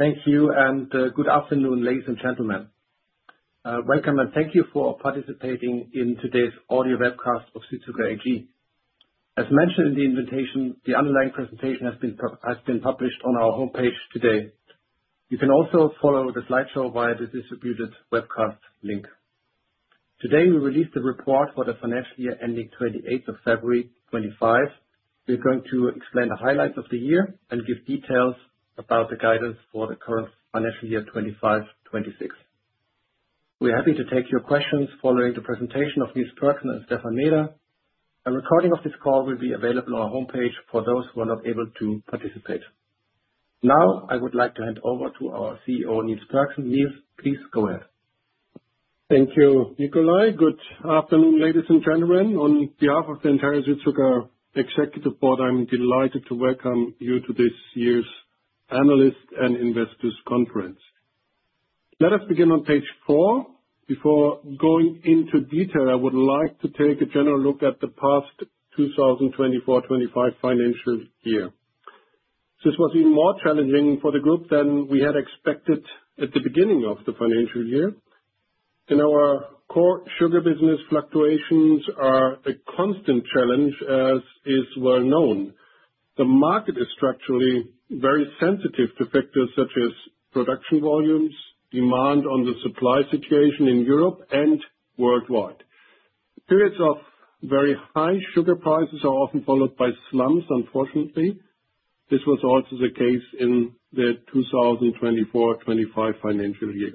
Thank you, and good afternoon, ladies and gentlemen. Welcome, and thank you for participating in today's audio webcast of Südzucker AG. As mentioned in the invitation, the underlying presentation has been published on our homepage today. You can also follow the slideshow via the distributed webcast link. Today, we released the report for the financial year ending 28th of February 2025. We're going to explain the highlights of the year and give details about the guidance for the current financial year 2025/2026. We're happy to take your questions following the presentation of Niels Pörksen and Stephan Meeder. A recording of this call will be available on our homepage for those who are not able to participate. Now, I would like to hand over to our CEO, Niels Pörksen. Niels, please go ahead. Thank you, Nikolai. Good afternoon, ladies and gentlemen. On behalf of the entire Südzucker Executive Board, I'm delighted to welcome you to this year's Analysts and Investors Conference. Let us begin on page four. Before going into detail, I would like to take a general look at the past 2024/2025 financial year. This was even more challenging for the group than we had expected at the beginning of the financial year. In our core sugar business, fluctuations are a constant challenge, as is well known. The market is structurally very sensitive to factors such as production volumes, demand, and the supply situation in Europe and worldwide. Periods of very high sugar prices are often followed by slumps, unfortunately. This was also the case in the 2024/2025 financial year.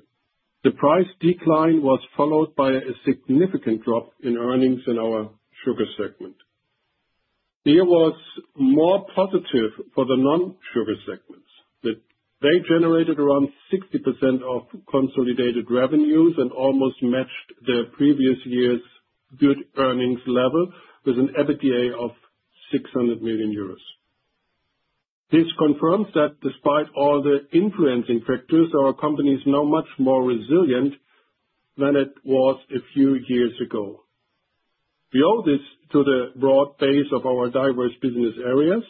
The price decline was followed by a significant drop in earnings in our sugar segment. The year was more positive for the non-sugar segments. They generated around 60% of consolidated revenues and almost matched the previous year's good earnings level with an EBITDA of 600 million euros. This confirms that despite all the influencing factors, our companies are now much more resilient than it was a few years ago. We owe this to the broad base of our diverse business areas,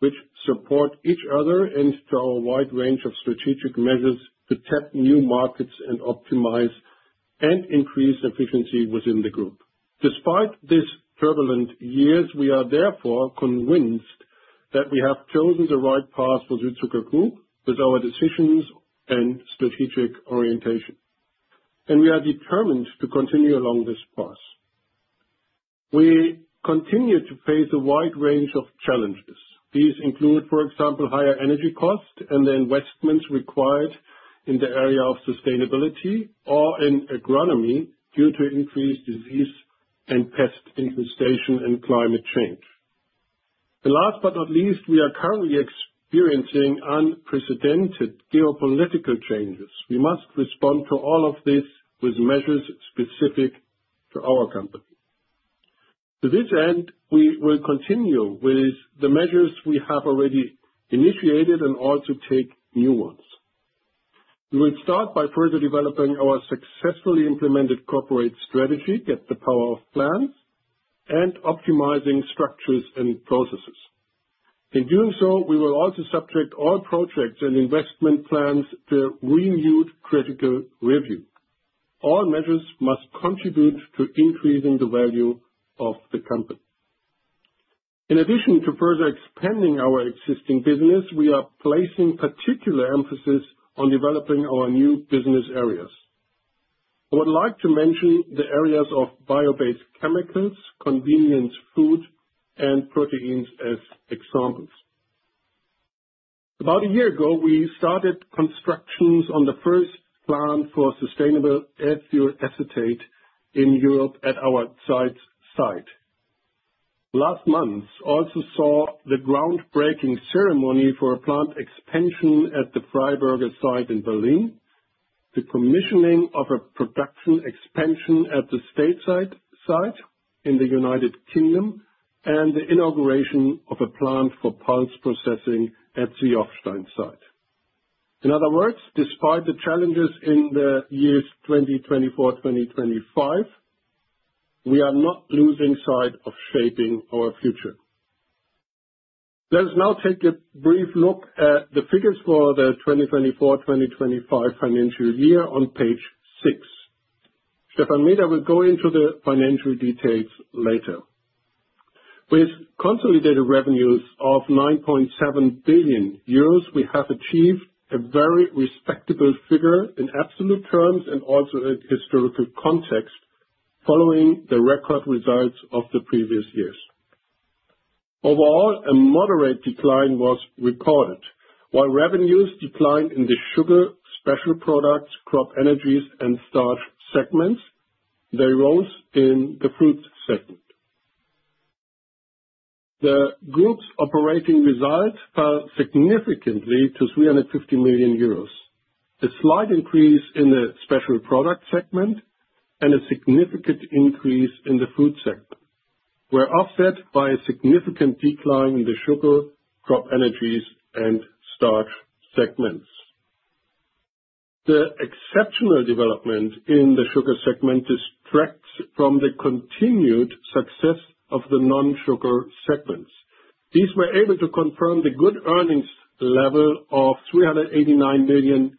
which support each other and to our wide range of strategic measures to tap new markets and optimize and increase efficiency within the group. Despite these turbulent years, we are therefore convinced that we have chosen the right path for Südzucker Group with our decisions and strategic orientation, and we are determined to continue along this path. We continue to face a wide range of challenges. These include, for example, higher energy costs and the investments required in the area of sustainability or in agronomy due to increased disease and pest infestation and climate change. Last but not least, we are currently experiencing unprecedented geopolitical changes. We must respond to all of this with measures specific to our company. To this end, we will continue with the measures we have already initiated and also take new ones. We will start by further developing our successfully implemented corporate strategy at the power of plans and optimizing structures and processes. In doing so, we will also subject all projects and investment plans to renewed critical review. All measures must contribute to increasing the value of the company. In addition to further expanding our existing business, we are placing particular emphasis on developing our new business areas. I would like to mention the areas of bio-based chemicals, convenience food, and proteins as examples. About a year ago, we started construction on the first plant for sustainable ethyl acetate in Europe at our site. Last month also saw the groundbreaking ceremony for a plant expansion at the Freiberger site in Berlin, the commissioning of a production expansion at the state site in the United Kingdom, and the inauguration of a plant for pulse processing at the Jofstein site. In other words, despite the challenges in the years 2024/2025, we are not losing sight of shaping our future. Let us now take a brief look at the figures for the 2024/2025 financial year on page six. Stephan Meeder will go into the financial details later. With consolidated revenues of 9.7 billion euros, we have achieved a very respectable figure in absolute terms and also in historical context following the record results of the previous years. Overall, a moderate decline was recorded. While revenues declined in the sugar, special products, Crop Energies, and starch segments, they rose in the fruit segment. The group's operating result fell significantly to 350 million euros, a slight increase in the special product segment, and a significant increase in the fruit segment, were offset by a significant decline in the sugar, Crop Energies, and starch segments. The exceptional development in the sugar segment distracts from the continued success of the non-sugar segments. These were able to confirm the good earnings level of 389 million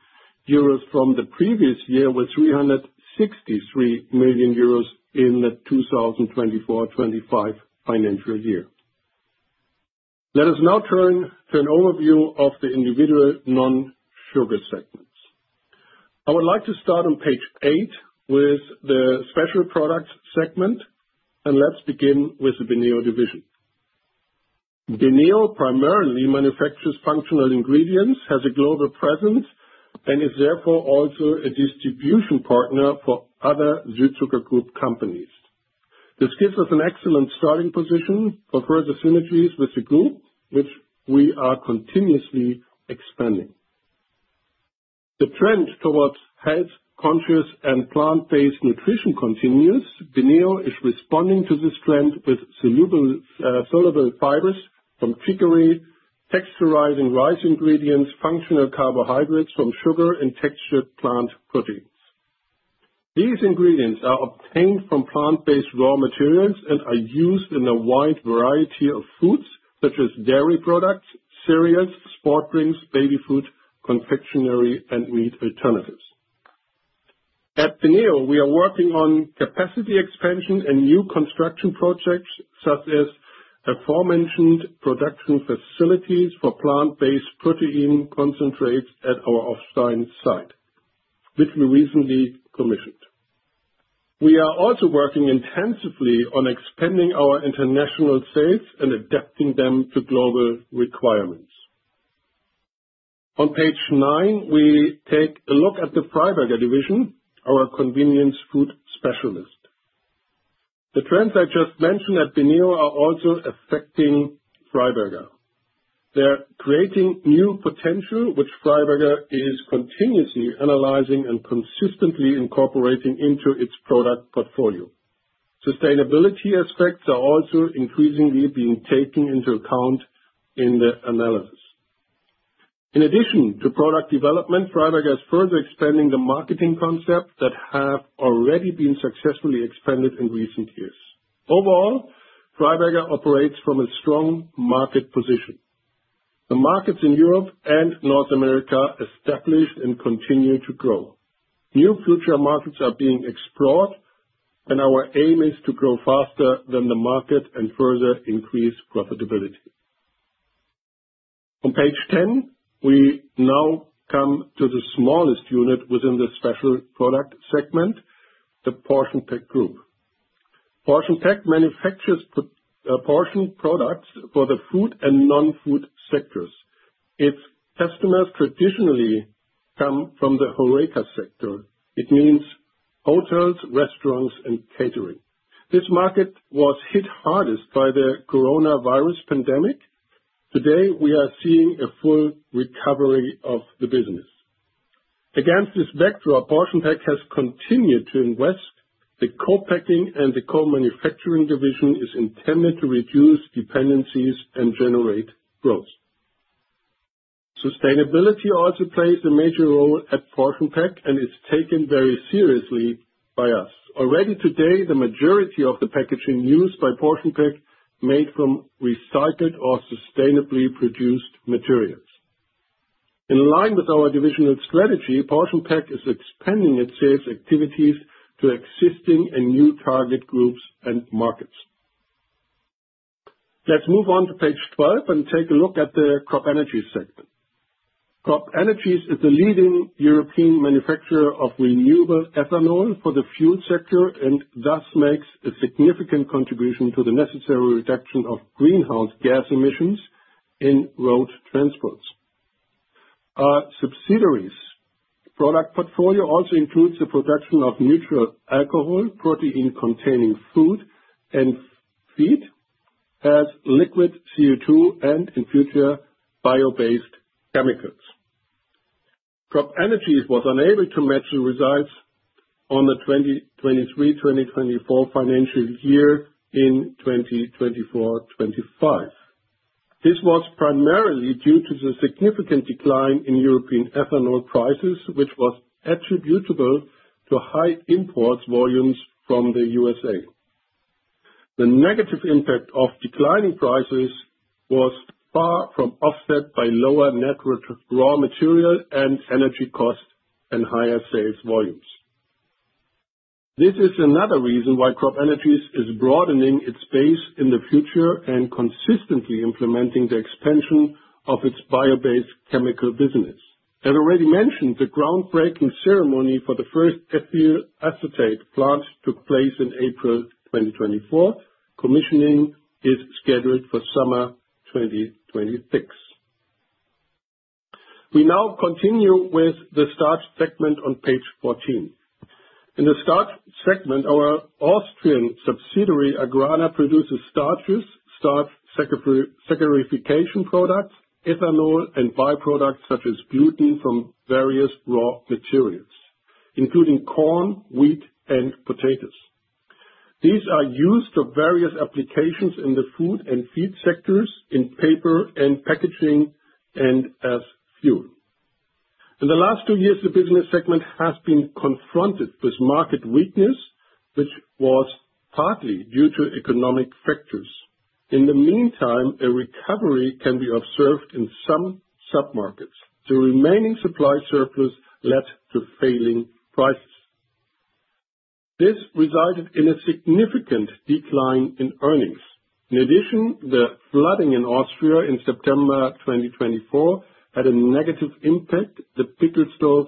euros from the previous year with 363 million euros in the 2024/2025 financial year. Let us now turn to an overview of the individual non-sugar segments. I would like to start on page eight with the special products segment, and let's begin with the BENEO division. BENEO primarily manufactures functional ingredients, has a global presence, and is therefore also a distribution partner for other Südzucker Group companies. This gives us an excellent starting position for further synergies with the group, which we are continuously expanding. The trend towards health-conscious and plant-based nutrition continues. BENEO is responding to this trend with soluble fibers from chicory, texturizing rice ingredients, functional carbohydrates from sugar, and textured plant proteins. These ingredients are obtained from plant-based raw materials and are used in a wide variety of foods such as dairy products, cereals, sport drinks, baby food, confectionery, and meat alternatives. At BENEO, we are working on capacity expansion and new construction projects such as the aforementioned production facilities for plant-based protein concentrates at our Jofstein site, which we recently commissioned. We are also working intensively on expanding our international sales and adapting them to global requirements. On page nine, we take a look at the Freiberger division, our convenience food specialist. The trends I just mentioned at BENEO are also affecting Freiberger. They're creating new potential, which Freiberger is continuously analyzing and consistently incorporating into its product portfolio. Sustainability aspects are also increasingly being taken into account in the analysis. In addition to product development, Freiberger is further expanding the marketing concepts that have already been successfully expanded in recent years. Overall, Freiberger operates from a strong market position. The markets in Europe and North America are established and continue to grow. New future markets are being explored, and our aim is to grow faster than the market and further increase profitability. On page 10, we now come to the smallest unit within the special product segment, the PortionPack group. PortionPack manufactures portion products for the food and non-food sectors. Its customers traditionally come from the Horeca sector. It means hotels, restaurants, and catering. This market was hit hardest by the coronavirus pandemic. Today, we are seeing a full recovery of the business. Against this backdrop, PortionPack has continued to invest. The co-packing and the co-manufacturing division is intended to reduce dependencies and generate growth. Sustainability also plays a major role at PortionPack and is taken very seriously by us. Already today, the majority of the packaging used by PortionPack is made from recycled or sustainably produced materials. In line with our divisional strategy, PortionPack is expanding its sales activities to existing and new target groups and markets. Let's move on to page 12 and take a look at the CropEnergies segment. Crop`Energies is the leading European manufacturer of renewable ethanol for the fuel sector and thus makes a significant contribution to the necessary reduction of greenhouse gas emissions in road transports. Our subsidiaries' product portfolio also includes the production of neutral alcohol, protein-containing food and feed, as liquid CO2 and, in future, bio-based chemicals. CropEnergies was unable to match the results of the 2023/2024 financial year in 2024/2025. This was primarily due to the significant decline in European ethanol prices, which was attributable to high import volumes from the USA. The negative impact of declining prices was far from offset by lower net raw material and energy costs and higher sales volumes. This is another reason why Crop Energies is broadening its base in the future and consistently implementing the expansion of its bio-based chemical business. As already mentioned, the groundbreaking ceremony for the first ethyl acetate plant took place in April 2024. Commissioning is scheduled for summer 2026. We now continue with the starch segment on page 14. In the starch segment, our Austrian subsidiary AGRANA produces starches, starch saccharification products, ethanol, and byproducts such as gluten from various raw materials, including corn, wheat, and potatoes. These are used for various applications in the food and feed sectors, in paper and packaging, and as fuel. In the last two years, the business segment has been confronted with market weakness, which was partly due to economic factors. In the meantime, a recovery can be observed in some submarkets. The remaining supply surplus led to falling prices. This resulted in a significant decline in earnings. In addition, the flooding in Austria in September 2024 had a negative impact. The Pickelsdorf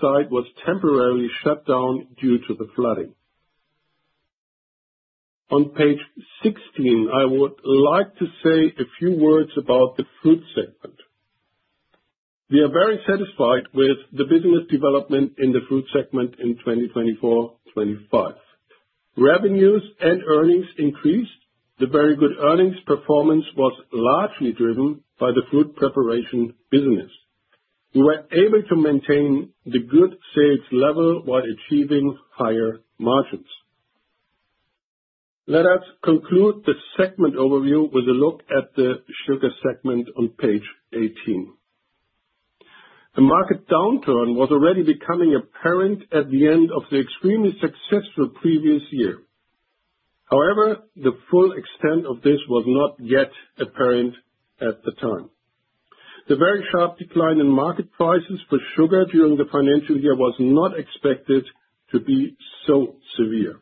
site was temporarily shut down due to the flooding. On page 16, I would like to say a few words about the food segment. We are very satisfied with the business development in the food segment in 2024/2025. Revenues and earnings increased. The very good earnings performance was largely driven by the food preparation business. We were able to maintain the good sales level while achieving higher margins. Let us conclude the segment overview with a look at the sugar segment on page 18. A market downturn was already becoming apparent at the end of the extremely successful previous year. However, the full extent of this was not yet apparent at the time. The very sharp decline in market prices for sugar during the financial year was not expected to be so severe.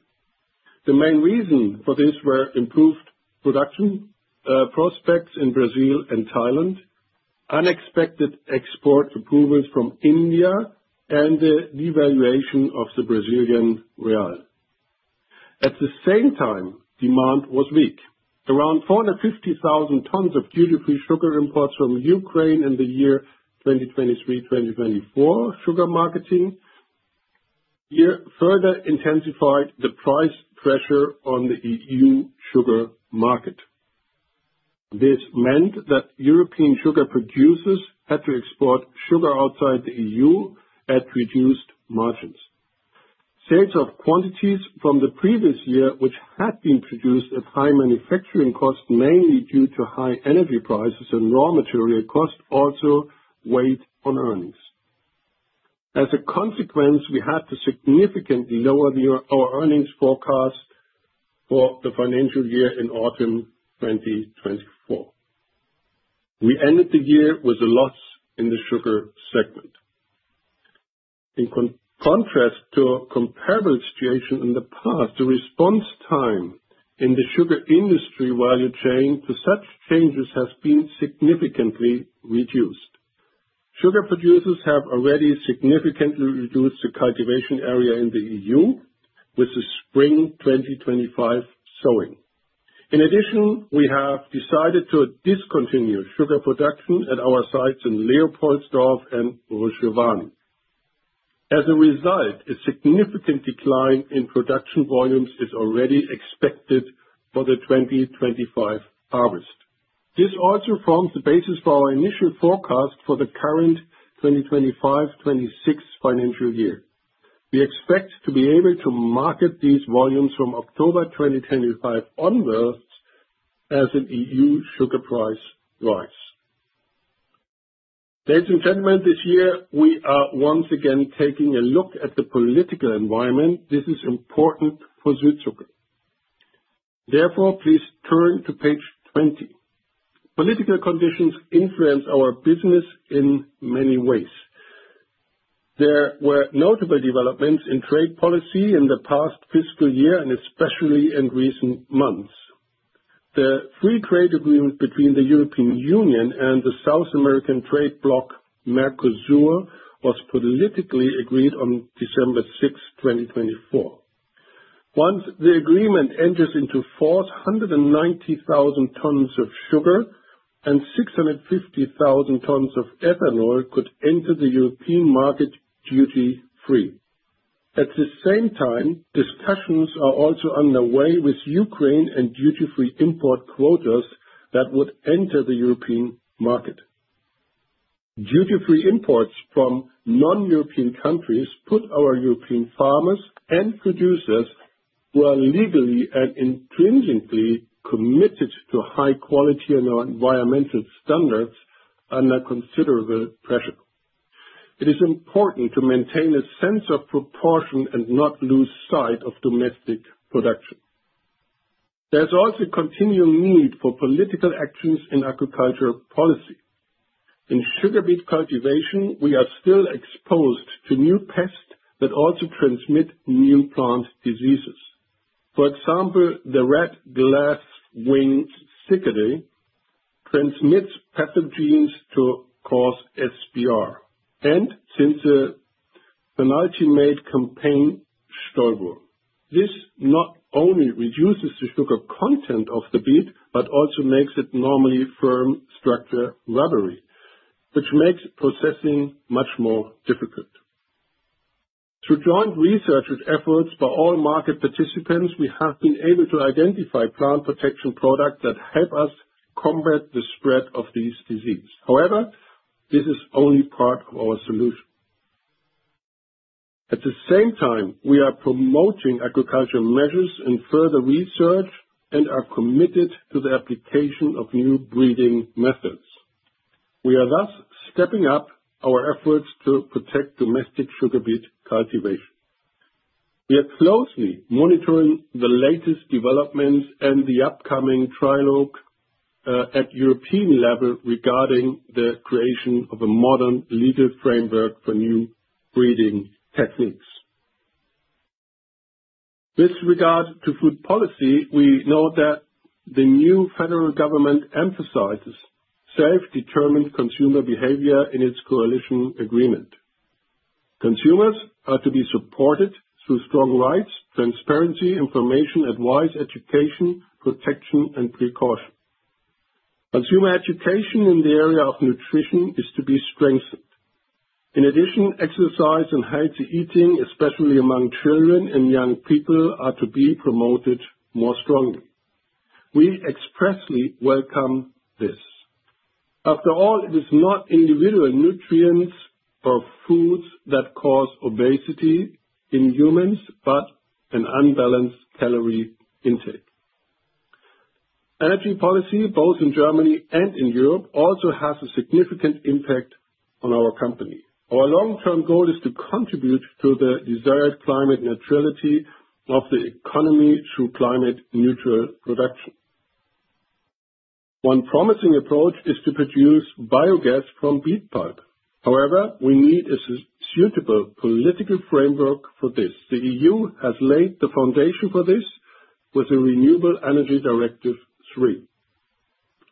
The main reason for this were improved production prospects in Brazil and Thailand, unexpected export approvals from India, and the devaluation of the Brazilian real. At the same time, demand was weak. Around 450,000 tons of duty-free sugar imports from Ukraine in the year 2023/2024 sugar marketing further intensified the price pressure on the EU sugar market. This meant that European sugar producers had to export sugar outside the EU at reduced margins. Sales of quantities from the previous year, which had been produced at high manufacturing costs mainly due to high energy prices and raw material costs, also weighed on earnings. As a consequence, we had to significantly lower our earnings forecast for the financial year in autumn 2024. We ended the year with a loss in the sugar segment. In contrast to a comparable situation in the past, the response time in the sugar industry value chain to such changes has been significantly reduced. Sugar producers have already significantly reduced the cultivation area in the EU with the spring 2025 sowing. In addition, we have decided to discontinue sugar production at our sites in Leopoldsdorf and Roshuvani. As a result, a significant decline in production volumes is already expected for the 2025 harvest. This also forms the basis for our initial forecast for the current 2025/2026 financial year. We expect to be able to market these volumes from October 2025 onwards as the EU sugar price rises. Ladies and gentlemen, this year we are once again taking a look at the political environment. This is important for Südzucker. Therefore, please turn to page 20. Political conditions influence our business in many ways. There were notable developments in trade policy in the past fiscal year and especially in recent months. The free trade agreement between the European Union and the South American trade bloc, Mercosur, was politically agreed on December 6th, 2024. Once the agreement enters into force, 190,000 tons of sugar and 650,000 tons of ethanol could enter the European market duty-free. At the same time, discussions are also underway with Ukraine and duty-free import quotas that would enter the European market. Duty-free imports from non-European countries put our European farmers and producers, who are legally and intrinsically committed to high quality and environmental standards, under considerable pressure. It is important to maintain a sense of proportion and not lose sight of domestic production. There's also a continuing need for political actions in agriculture policy. In sugar beet cultivation, we are still exposed to new pests that also transmit new plant diseases. For example, the red glasswing cicada transmits pathogens to cause SBR and since the penultimate campaign still were. This not only reduces the sugar content of the beet but also makes its normally firm structure rubbery, which makes processing much more difficult. Through joint research efforts by all market participants, we have been able to identify plant protection products that help us combat the spread of these diseases. However, this is only part of our solution. At the same time, we are promoting agriculture measures and further research and are committed to the application of new breeding methods. We are thus stepping up our efforts to protect domestic sugar beet cultivation. We are closely monitoring the latest developments and the upcoming trial at European level regarding the creation of a modern legal framework for new breeding techniques. With regard to food policy, we know that the new federal government emphasizes self-determined consumer behavior in its coalition agreement. Consumers are to be supported through strong rights, transparency, information, advice, education, protection, and precaution. Consumer education in the area of nutrition is to be strengthened. In addition, exercise and healthy eating, especially among children and young people, are to be promoted more strongly. We expressly welcome this. After all, it is not individual nutrients or foods that cause obesity in humans but an unbalanced calorie intake. Energy policy, both in Germany and in Europe, also has a significant impact on our company. Our long-term goal is to contribute to the desired climate neutrality of the economy through climate-neutral production. One promising approach is to produce biogas from beet pulp. However, we need a suitable political framework for this. The EU has laid the foundation for this with the Renewable Energy Directive III.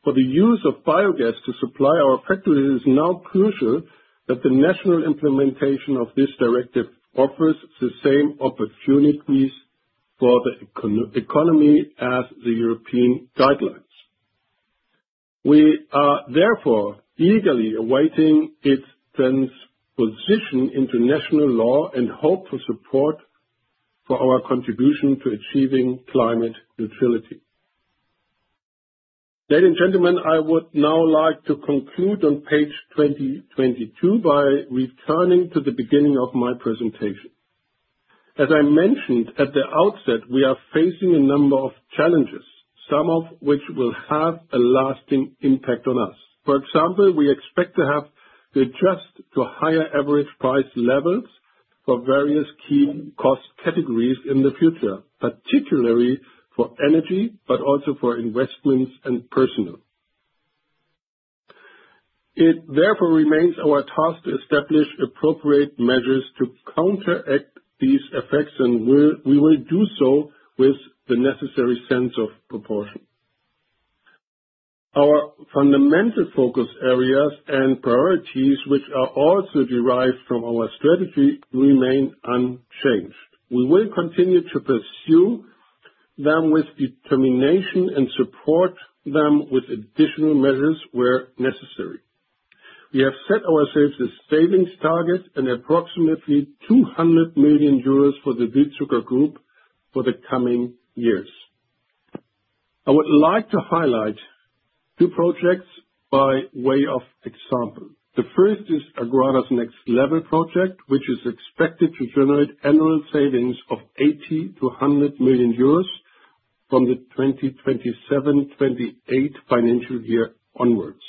For the use of biogas to supply our factories, it is now crucial that the national implementation of this directive offers the same opportunities for the economy as the European guidelines. We are therefore eagerly awaiting its transposition into national law and hope for support for our contribution to achieving climate neutrality. Ladies and gentlemen, I would now like to conclude on page 22 by returning to the beginning of my presentation. As I mentioned at the outset, we are facing a number of challenges, some of which will have a lasting impact on us. For example, we expect to have to adjust to higher average price levels for various key cost categories in the future, particularly for energy but also for investments and personnel. It therefore remains our task to establish appropriate measures to counteract these effects, and we will do so with the necessary sense of proportion. Our fundamental focus areas and priorities, which are also derived from our strategy, remain unchanged. We will continue to pursue them with determination and support them with additional measures where necessary. We have set ourselves a savings target of approximately 200 million euros for the Südzucker Group for the coming years. I would like to highlight two projects by way of example. The first is AGRANA's next level project, which is expected to generate annual savings of 80-100 million euros from the 2027/2028 financial year onwards.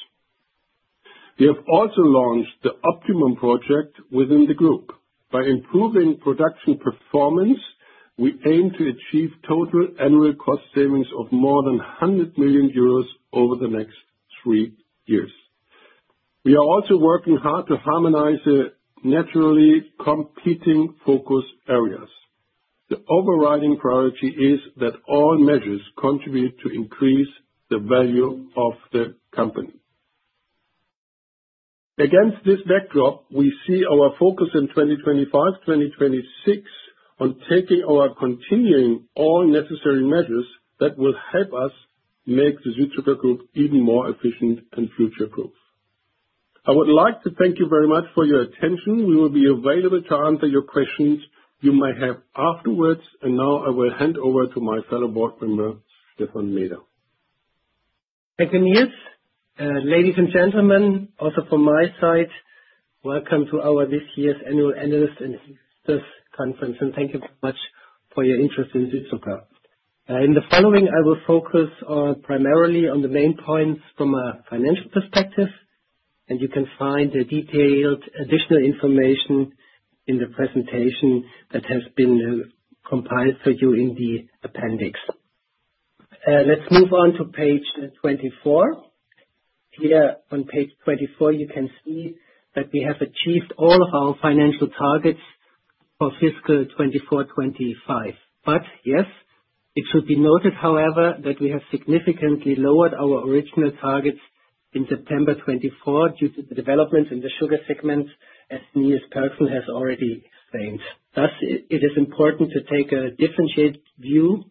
We have also launched the Optimum project within the group. By improving production performance, we aim to achieve total annual cost savings of more than 100 million euros over the next three years. We are also working hard to harmonize the naturally competing focus areas. The overriding priority is that all measures contribute to increase the value of the company. Against this backdrop, we see our focus in 2025/2026 on taking our continuing all necessary measures that will help us make the Südzucker Group even more efficient and future-proof. I would like to thank you very much for your attention. We will be available to answer your questions you may have afterwards, and now I will hand over to my fellow board member, Dr. Stephan Meeder. Thank you, Niels. Ladies and gentlemen, also from my side, welcome to our this year's annual analyst and investors conference, and thank you very much for your interest in Südzucker. In the following, I will focus primarily on the main points from a financial perspective, and you can find the detailed additional information in the presentation that has been compiled for you in the appendix. Let's move on to page 24. Here on page 24, you can see that we have achieved all of our financial targets for fiscal 2024/2025. Yes, it should be noted, however, that we have significantly lowered our original targets in September 2024 due to the developments in the sugar segment, as Niels Pörksen has already explained. Thus, it is important to take a differentiated view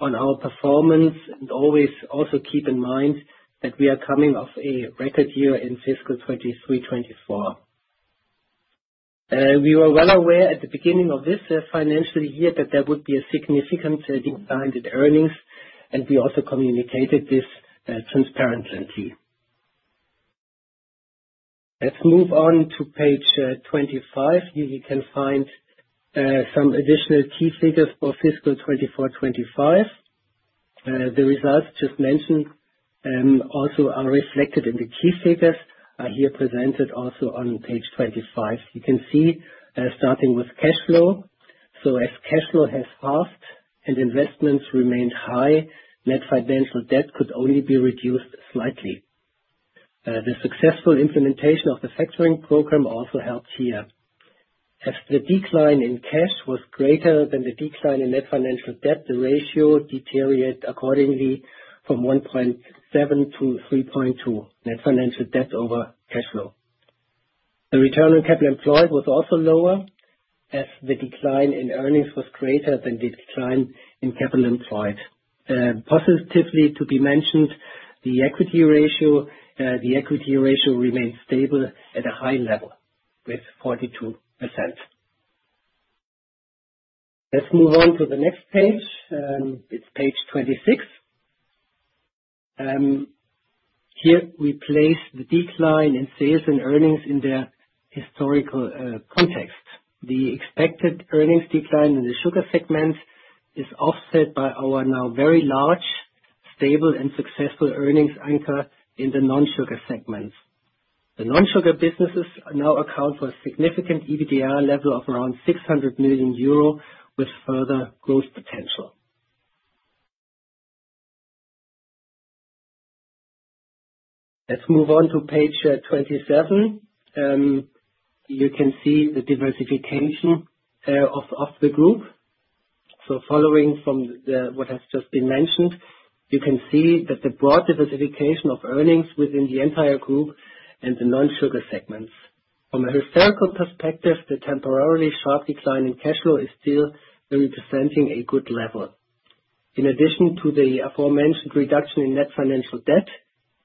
on our performance and always also keep in mind that we are coming off a record year in fiscal 2023/2024. We were well aware at the beginning of this financial year that there would be a significant decline in earnings, and we also communicated this transparently. Let's move on to page 25. Here you can find some additional key figures for fiscal 2024/2025. The results just mentioned also are reflected in the key figures here presented also on page 25. You can see starting with cash flow. As cash flow has halved and investments remained high, net financial debt could only be reduced slightly. The successful implementation of the factoring program also helped here. As the decline in cash was greater than the decline in net financial debt, the ratio deteriorated accordingly from 1.7 to 3.2, net financial debt over cash flow. The return on capital employed was also lower as the decline in earnings was greater than the decline in capital employed. Positively to be mentioned, the equity ratio remained stable at a high level with 42%. Let's move on to the next page. It's page 26. Here we place the decline in sales and earnings in their historical context. The expected earnings decline in the sugar segment is offset by our now very large, stable, and successful earnings anchor in the non-sugar segments. The non-sugar businesses now account for a significant EBITDA level of around 600 million euro with further growth potential. Let's move on to page 27. You can see the diversification of the group. Following from what has just been mentioned, you can see that the broad diversification of earnings within the entire group and the non-sugar segments. From a historical perspective, the temporarily sharp decline in cash flow is still representing a good level. In addition to the aforementioned reduction in net financial debt,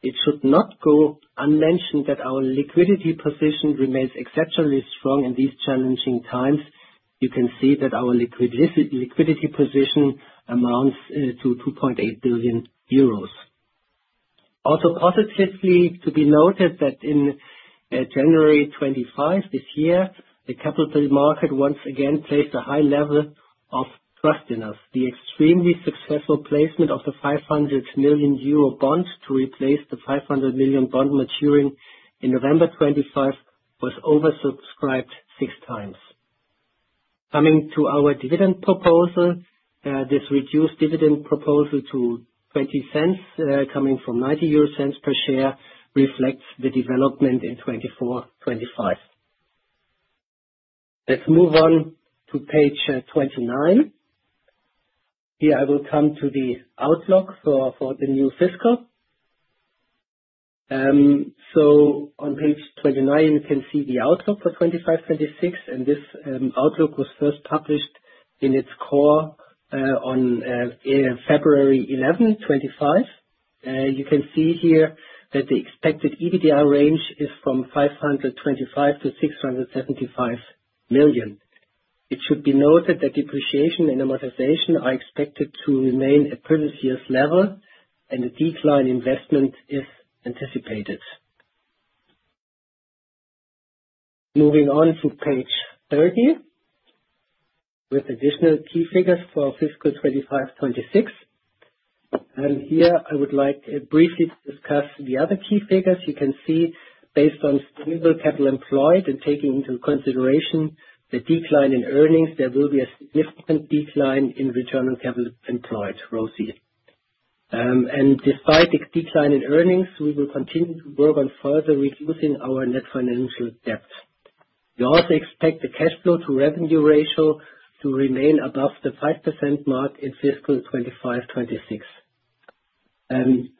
it should not go unmentioned that our liquidity position remains exceptionally strong in these challenging times. You can see that our liquidity position amounts to 2.8 billion euros. Also positively to be noted that in January 2025 this year, the capital market once again placed a high level of trust in us. The extremely successful placement of the 500 million euro bond to replace the 500 million bond maturing in November 2025 was oversubscribed 6x. Coming to our dividend proposal, this reduced dividend proposal to 0.20 coming from 0.90 per share reflects the development in 2024/2025. Let's move on to page 29. Here I will come to the outlook for the new fiscal. On page 29, you can see the outlook for 2025/2026, and this outlook was first published in its core on February 11, 2025. You can see here that the expected EBITDA range is 525 million-675 million. It should be noted that depreciation and amortization are expected to remain at previous year's level, and the decline in investment is anticipated. Moving on to page 30 with additional key figures for fiscal 2025/2026. Here I would like briefly to discuss the other key figures. You can see based on stable capital employed and taking into consideration the decline in earnings, there will be a significant decline in return on capital employed, ROCE. Despite the decline in earnings, we will continue to work on further reducing our net financial debt. We also expect the cash flow to revenue ratio to remain above the 5% mark in fiscal 2025/2026.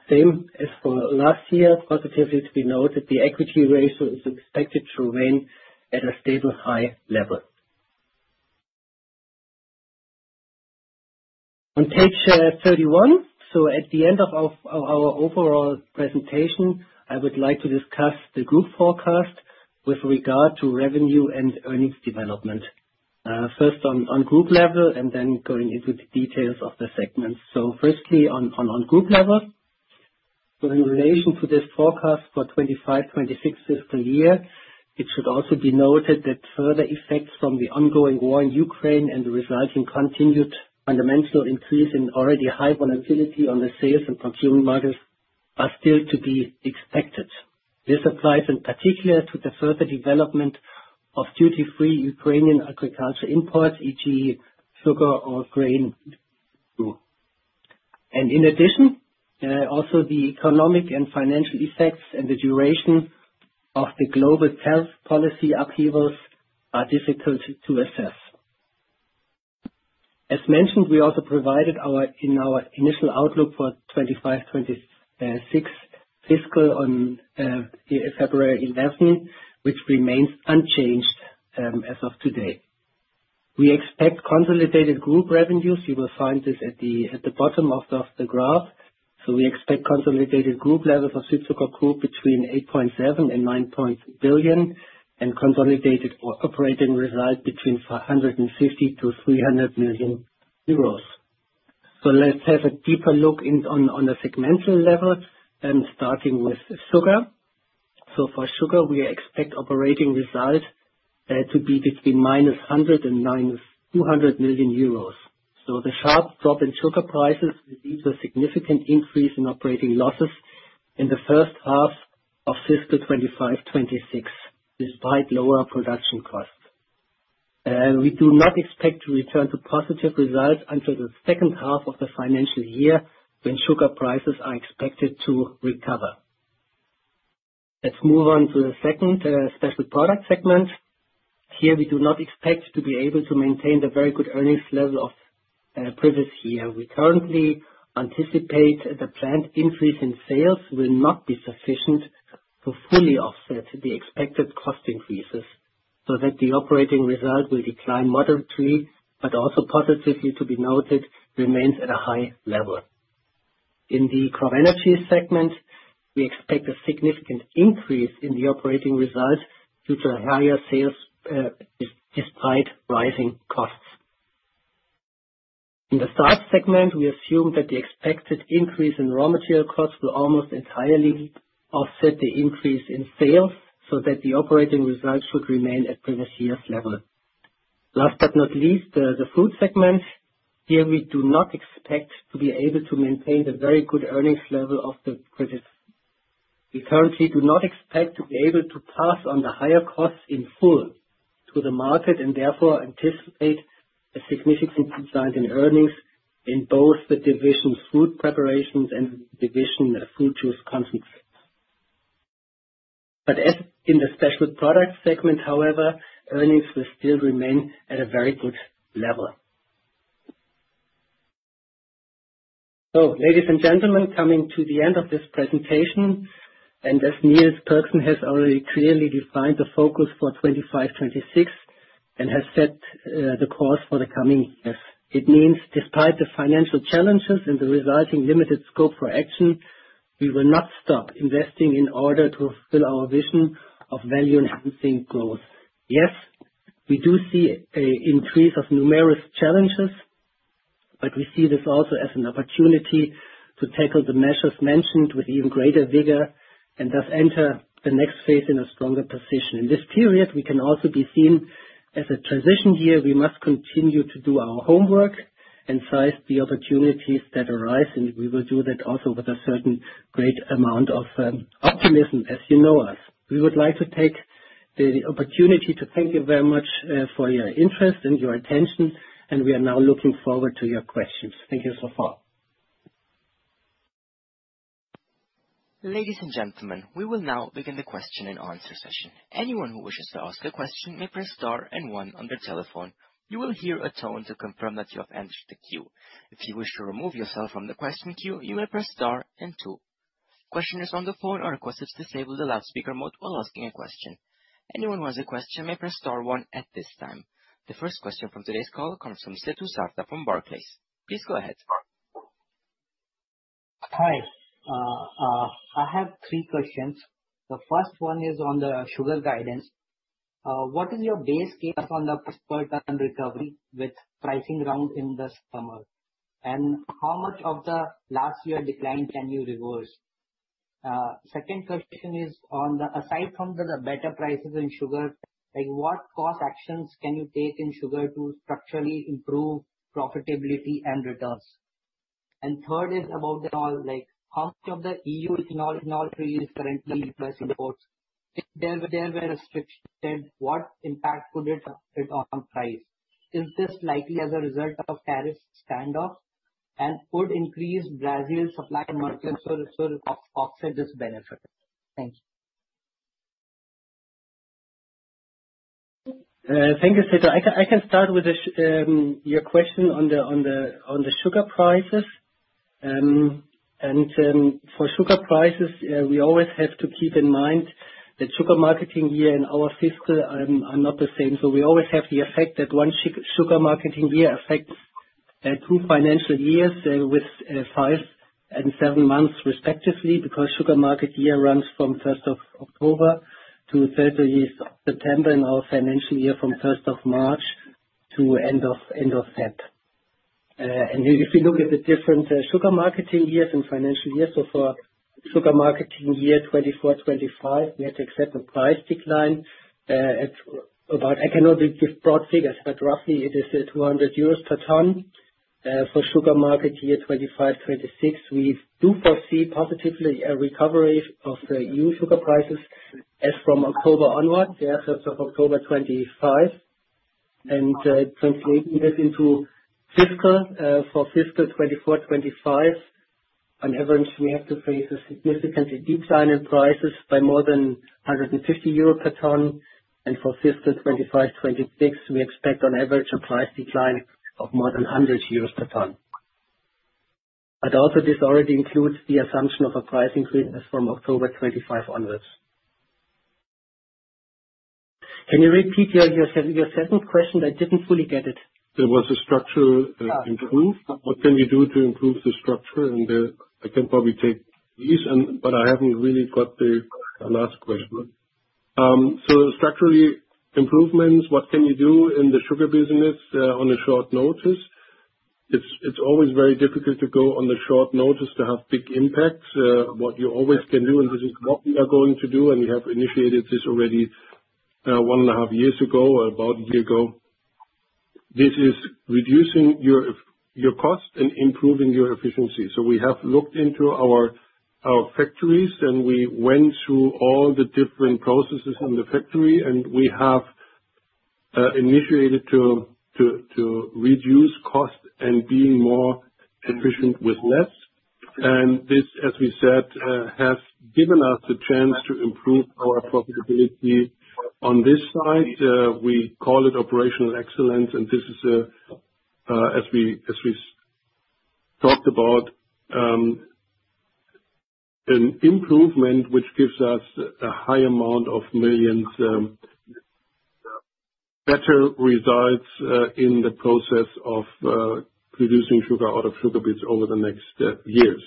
Same as for last year, positively to be noted, the equity ratio is expected to remain at a stable high level. On page 31, at the end of our overall presentation, I would like to discuss the group forecast with regard to revenue and earnings development. First on group level and then going into the details of the segments. Firstly on group level, in relation to this forecast for 2025/2026 fiscal year, it should also be noted that further effects from the ongoing war in Ukraine and the resulting continued fundamental increase in already high volatility on the sales and procurement markets are still to be expected. This applies in particular to the further development of duty-free Ukrainian agriculture imports, e.g., sugar or grain. In addition, also the economic and financial effects and the duration of the global health policy upheavals are difficult to assess. As mentioned, we also provided our initial outlook for 2025/2026 fiscal on February 11, which remains unchanged as of today. We expect consolidated group revenues. You will find this at the bottom of the graph. We expect consolidated group level for Südzucker Group between 8.7 billion-9.2 billion and consolidated operating result between 550 million-300 million euros. Let's have a deeper look on the segmental level starting with sugar. For sugar, we expect operating result to be between -100 million and -200 million euros. The sharp drop in sugar prices will lead to a significant increase in operating losses in the first half of fiscal 2025/2026 despite lower production costs. We do not expect to return to positive results until the second half of the financial year when sugar prices are expected to recover. Let's move on to the second special product segment. Here we do not expect to be able to maintain the very good earnings level of previous year. We currently anticipate the planned increase in sales will not be sufficient to fully offset the expected cost increases, so that the operating result will decline moderately, but also positively to be noted, remains at a high level. In the CropEnergies segment, we expect a significant increase in the operating result due to higher sales despite rising costs. In the starch segment, we assume that the expected increase in raw material costs will almost entirely offset the increase in sales, so that the operating result should remain at previous year's level. Last but not least, the food segment. Here we do not expect to be able to maintain the very good earnings level of the previous. We currently do not expect to be able to pass on the higher costs in full to the market and therefore anticipate a significant decline in earnings in both the division food preparations and the division fruit juice concentrates. However, as in the special product segment, earnings will still remain at a very good level. Ladies and gentlemen, coming to the end of this presentation, and as Niels Pörksen has already clearly defined the focus for 2025/2026 and has set the course for the coming years, it means despite the financial challenges and the resulting limited scope for action, we will not stop investing in order to fulfill our vision of value-enhancing growth. Yes, we do see an increase of numerous challenges, but we see this also as an opportunity to tackle the measures mentioned with even greater vigor and thus enter the next phase in a stronger position. In this period, we can also be seen as a transition year. We must continue to do our homework and seize the opportunities that arise, and we will do that also with a certain great amount of optimism, as you know us. We would like to take the opportunity to thank you very much for your interest and your attention, and we are now looking forward to your questions. Thank you so far. Ladies and gentlemen, we will now begin the question and answer session. Anyone who wishes to ask a question may press star and one on their telephone. You will hear a tone to confirm that you have entered the queue. If you wish to remove yourself from the question queue, you may press star and two. Questioners on the phone are requested to disable the loudspeaker mode while asking a question. Anyone who has a question may press star one at this time. The first question from today's call comes from Setu Sharda from Barclays. Please go ahead. Hi. I have three questions. The first one is on the sugar guidance. What is your base case on the post-quarter recovery with pricing round in the summer? And how much of the last year decline can you reverse? Second question is on the, aside from the better prices in sugar, what cost actions can you take in sugar to structurally improve profitability and returns? Third is about all, how much of the EU ethanol trade is currently using imports? If there were restrictions, what impact could it have on price? Is this likely as a result of tariff stand-off? And would increased Brazil supply markets offset this benefit? Thank you. Thank you, Setu. I can start with your question on the sugar prices. For sugar prices, we always have to keep in mind that sugar marketing year and our fiscal are not the same. We always have the effect that one sugar marketing year affects two financial years with five and seven months respectively because sugar marketing year runs from October 1st to September 30 and our financial year from 1st of March to end of February. If you look at the different sugar marketing years and financial years, for sugar marketing year 2024/2025, we had to accept a price decline at about, I cannot give broad figures, but roughly it is 200 euros per ton. For sugar market year 2025/2026, we do foresee positively a recovery of the EU sugar prices as from October onward, yeah, so from October 2025. Translating this into fiscal, for fiscal 2024/2025, on average, we have to face a significant decline in prices by more than 150 euro per ton. For fiscal 2025/2026, we expect on average a price decline of more than 100 euros per ton. This already includes the assumption of a price increase as from October 2025 onwards. Can you repeat your second question? I didn't fully get it. There was a structural improvement. What can we do to improve the structure? I can probably take these, but I haven't really got the last question. Structural improvements, what can you do in the sugar business on a short notice? It's always very difficult to go on the short notice to have big impacts. What you always can do, and this is what we are going to do, and we have initiated this already one and a half years ago, about a year ago, this is reducing your cost and improving your efficiency. We have looked into our factories, and we went through all the different processes in the factory, and we have initiated to reduce cost and be more efficient with less. This, as we said, has given us the chance to improve our profitability on this side. We call it operational excellence, and this is, as we talked about, an improvement which gives us a high amount of millions, better results in the process of producing sugar out of sugar beets over the next years.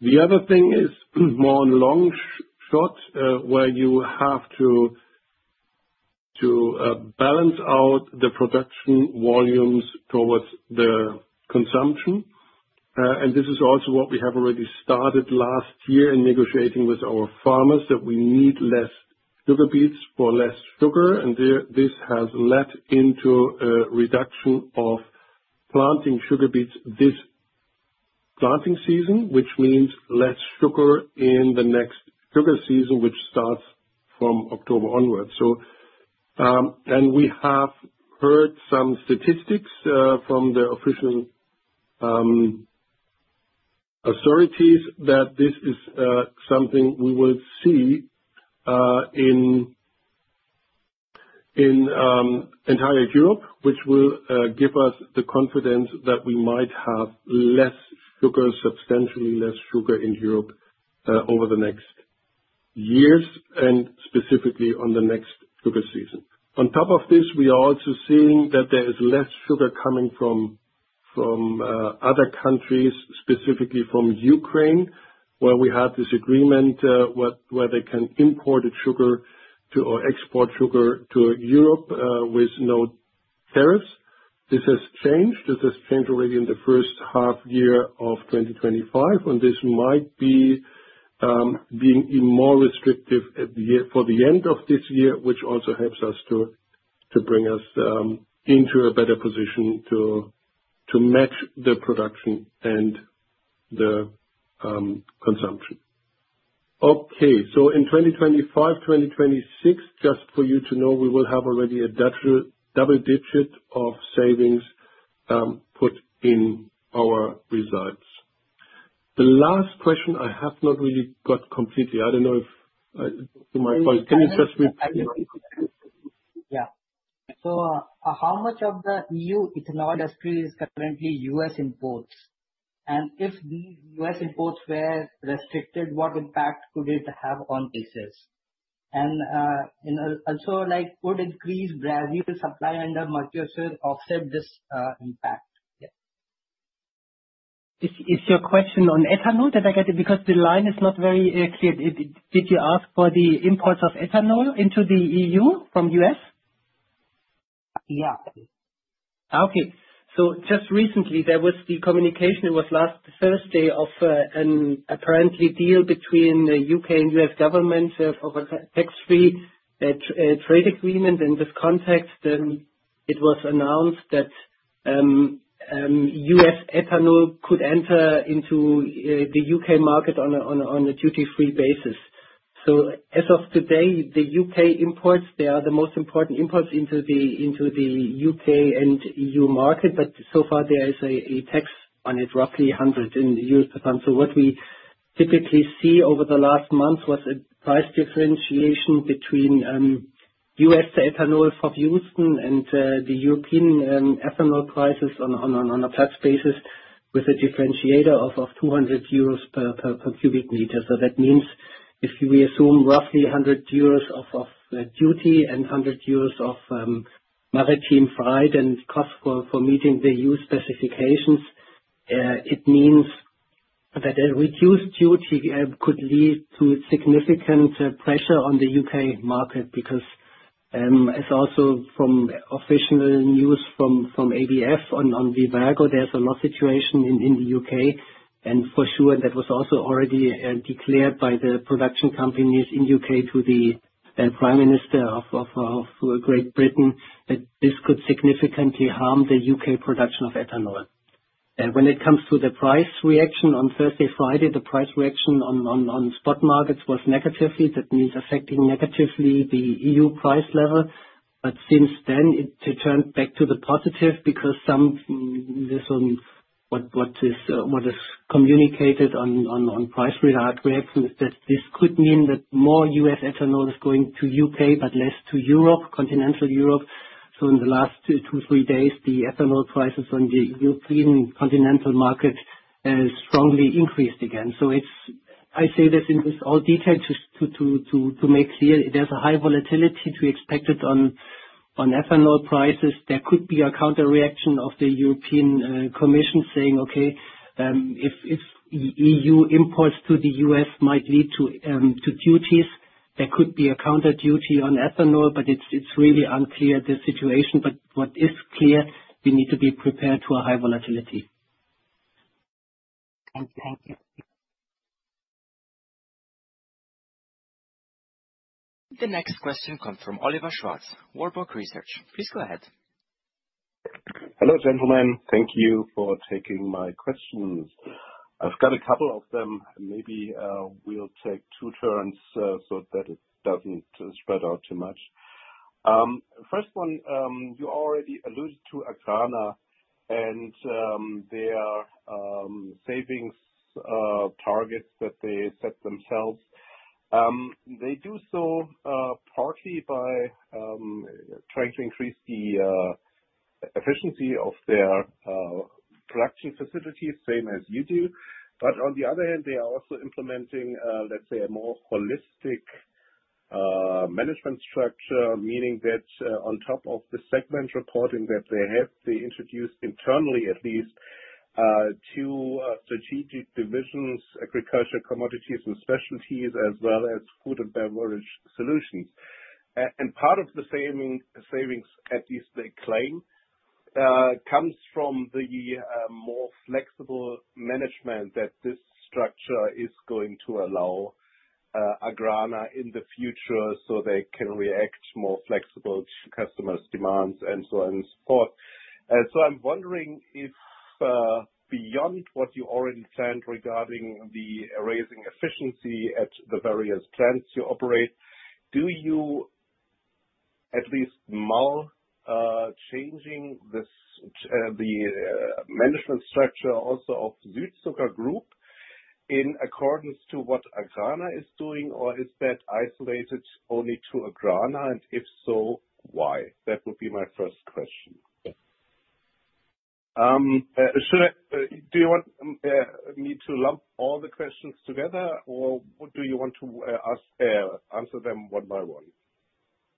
The other thing is more in long shot where you have to balance out the production volumes towards the consumption. This is also what we have already started last year in negotiating with our farmers that we need less sugar beets for less sugar. This has led into a reduction of planting sugar beets this planting season, which means less sugar in the next sugar season, which starts from October onwards. We have heard some statistics from the official authorities that this is something we will see in entire Europe, which will give us the confidence that we might have less sugar, substantially less sugar in Europe over the next years and specifically on the next sugar season. On top of this, we are also seeing that there is less sugar coming from other countries, specifically from Ukraine, where we had this agreement where they can import sugar or export sugar to Europe with no tariffs. This has changed. This has changed already in the first half year of 2025, and this might be being more restrictive for the end of this year, which also helps us to bring us into a better position to match the production and the consumption. Okay. In 2025, 2026, just for you to know, we will have already a double digit of savings put in our results. The last question I have not really got completely. I do not know if you might want to just repeat. Yeah. How much of the EU ethanol industry is currently U.S. imports? If these U.S. imports were restricted, what impact could it have on basis? Also, would increased Brazil supply under Mercosur offset this impact? Is your question on ethanol that I get? Because the line is not very clear. Did you ask for the imports of ethanol into the EU from the U.S.? Yeah. Okay. Just recently, there was the communication. It was last Thursday of an apparently deal between the U.K. and U.S. government of a tax-free trade agreement. In this context, it was announced that U.S. ethanol could enter into the U.K. market on a duty-free basis. As of today, the U.K. imports, they are the most important imports into the U.K. and EU market, but so far there is a tax on it, roughly $100 in the U.S. per ton. What we typically see over the last month was a price differentiation between U.S. ethanol for Houston and the European ethanol prices on a tax basis with a differentiator of 200 euros per cubic meter. That means if we assume roughly 100 euros of duty and 100 euros of maritime freight and cost for meeting the EU specifications, it means that a reduced duty could lead to significant pressure on the U.K. market because it is also from official news from ABF on Vivergo. There is a lot of situation in the U.K. For sure, that was also already declared by the production companies in the U.K. to the Prime Minister of Great Britain that this could significantly harm the U.K. production of ethanol. When it comes to the price reaction on Thursday, Friday, the price reaction on spot markets was negative. That means affecting negatively the EU price level. Since then, it turned back to the positive because what is communicated on price reaction is that this could mean that more U.S. ethanol is going to the U.K., but less to Europe, continental Europe. In the last two, three days, the ethanol prices on the European continental market strongly increased again. I say this in all detail to make clear there's a high volatility to expect on ethanol prices. There could be a counter-reaction of the European Commission saying, "Okay, if EU imports to the U.S. might lead to duties, there could be a counter-duty on ethanol," but it's really unclear, the situation. What is clear, we need to be prepared to a high volatility. Thank you. The next question comes from Oliver Schwarz, Warburg Research. Please go ahead. Hello, gentlemen. Thank you for taking my questions. I've got a couple of them. Maybe we'll take two turns so that it doesn't spread out too much. First one, you already alluded to AGRANA, and their savings targets that they set themselves. They do so partly by trying to increase the efficiency of their production facilities, same as you do. On the other hand, they are also implementing, let's say, a more holistic management structure, meaning that on top of the segment reporting that they have, they introduce internally, at least, two strategic divisions, agriculture, commodities, and specialties, as well as food and beverage solutions. Part of the savings, at least they claim, comes from the more flexible management that this structure is going to allow AGRANA in the future so they can react more flexibly to customers' demands and so on and so forth. I'm wondering if beyond what you already planned regarding raising efficiency at the various plants you operate, do you at least mull changing the management structure also of Südzucker Group in accordance to what AGRANA is doing, or is that isolated only to AGRANA? If so, why? That would be my first question. Do you want me to lump all the questions together, or do you want to answer them one by one?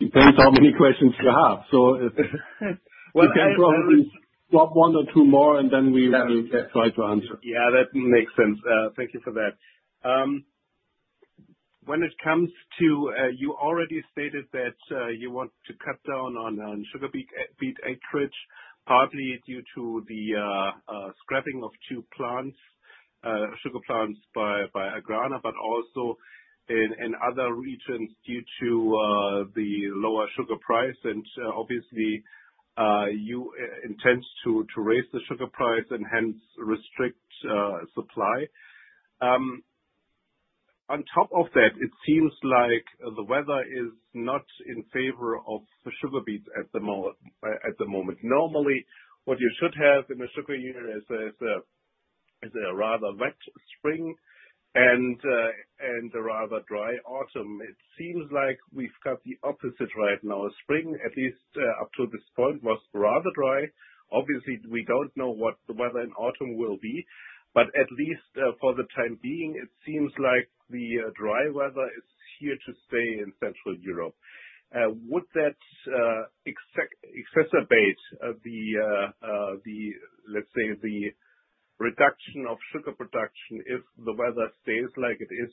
Depends how many questions you have. You can probably drop one or two more, and then we will try to answer. Yeah, that makes sense. Thank you for that. When it comes to, you already stated that you want to cut down on sugar beet acreage, partly due to the scrapping of two sugar plants by AGRANA, but also in other regions due to the lower sugar price. Obviously, you intend to raise the sugar price and hence restrict supply. On top of that, it seems like the weather is not in favor of sugar beets at the moment. Normally, what you should have in a sugar year is a rather wet spring and a rather dry autumn. It seems like we've got the opposite right now. Spring, at least up to this point, was rather dry. Obviously, we don't know what the weather in autumn will be, but at least for the time being, it seems like the dry weather is here to stay in Central Europe. Would that exacerbate the, let's say, the reduction of sugar production if the weather stays like it is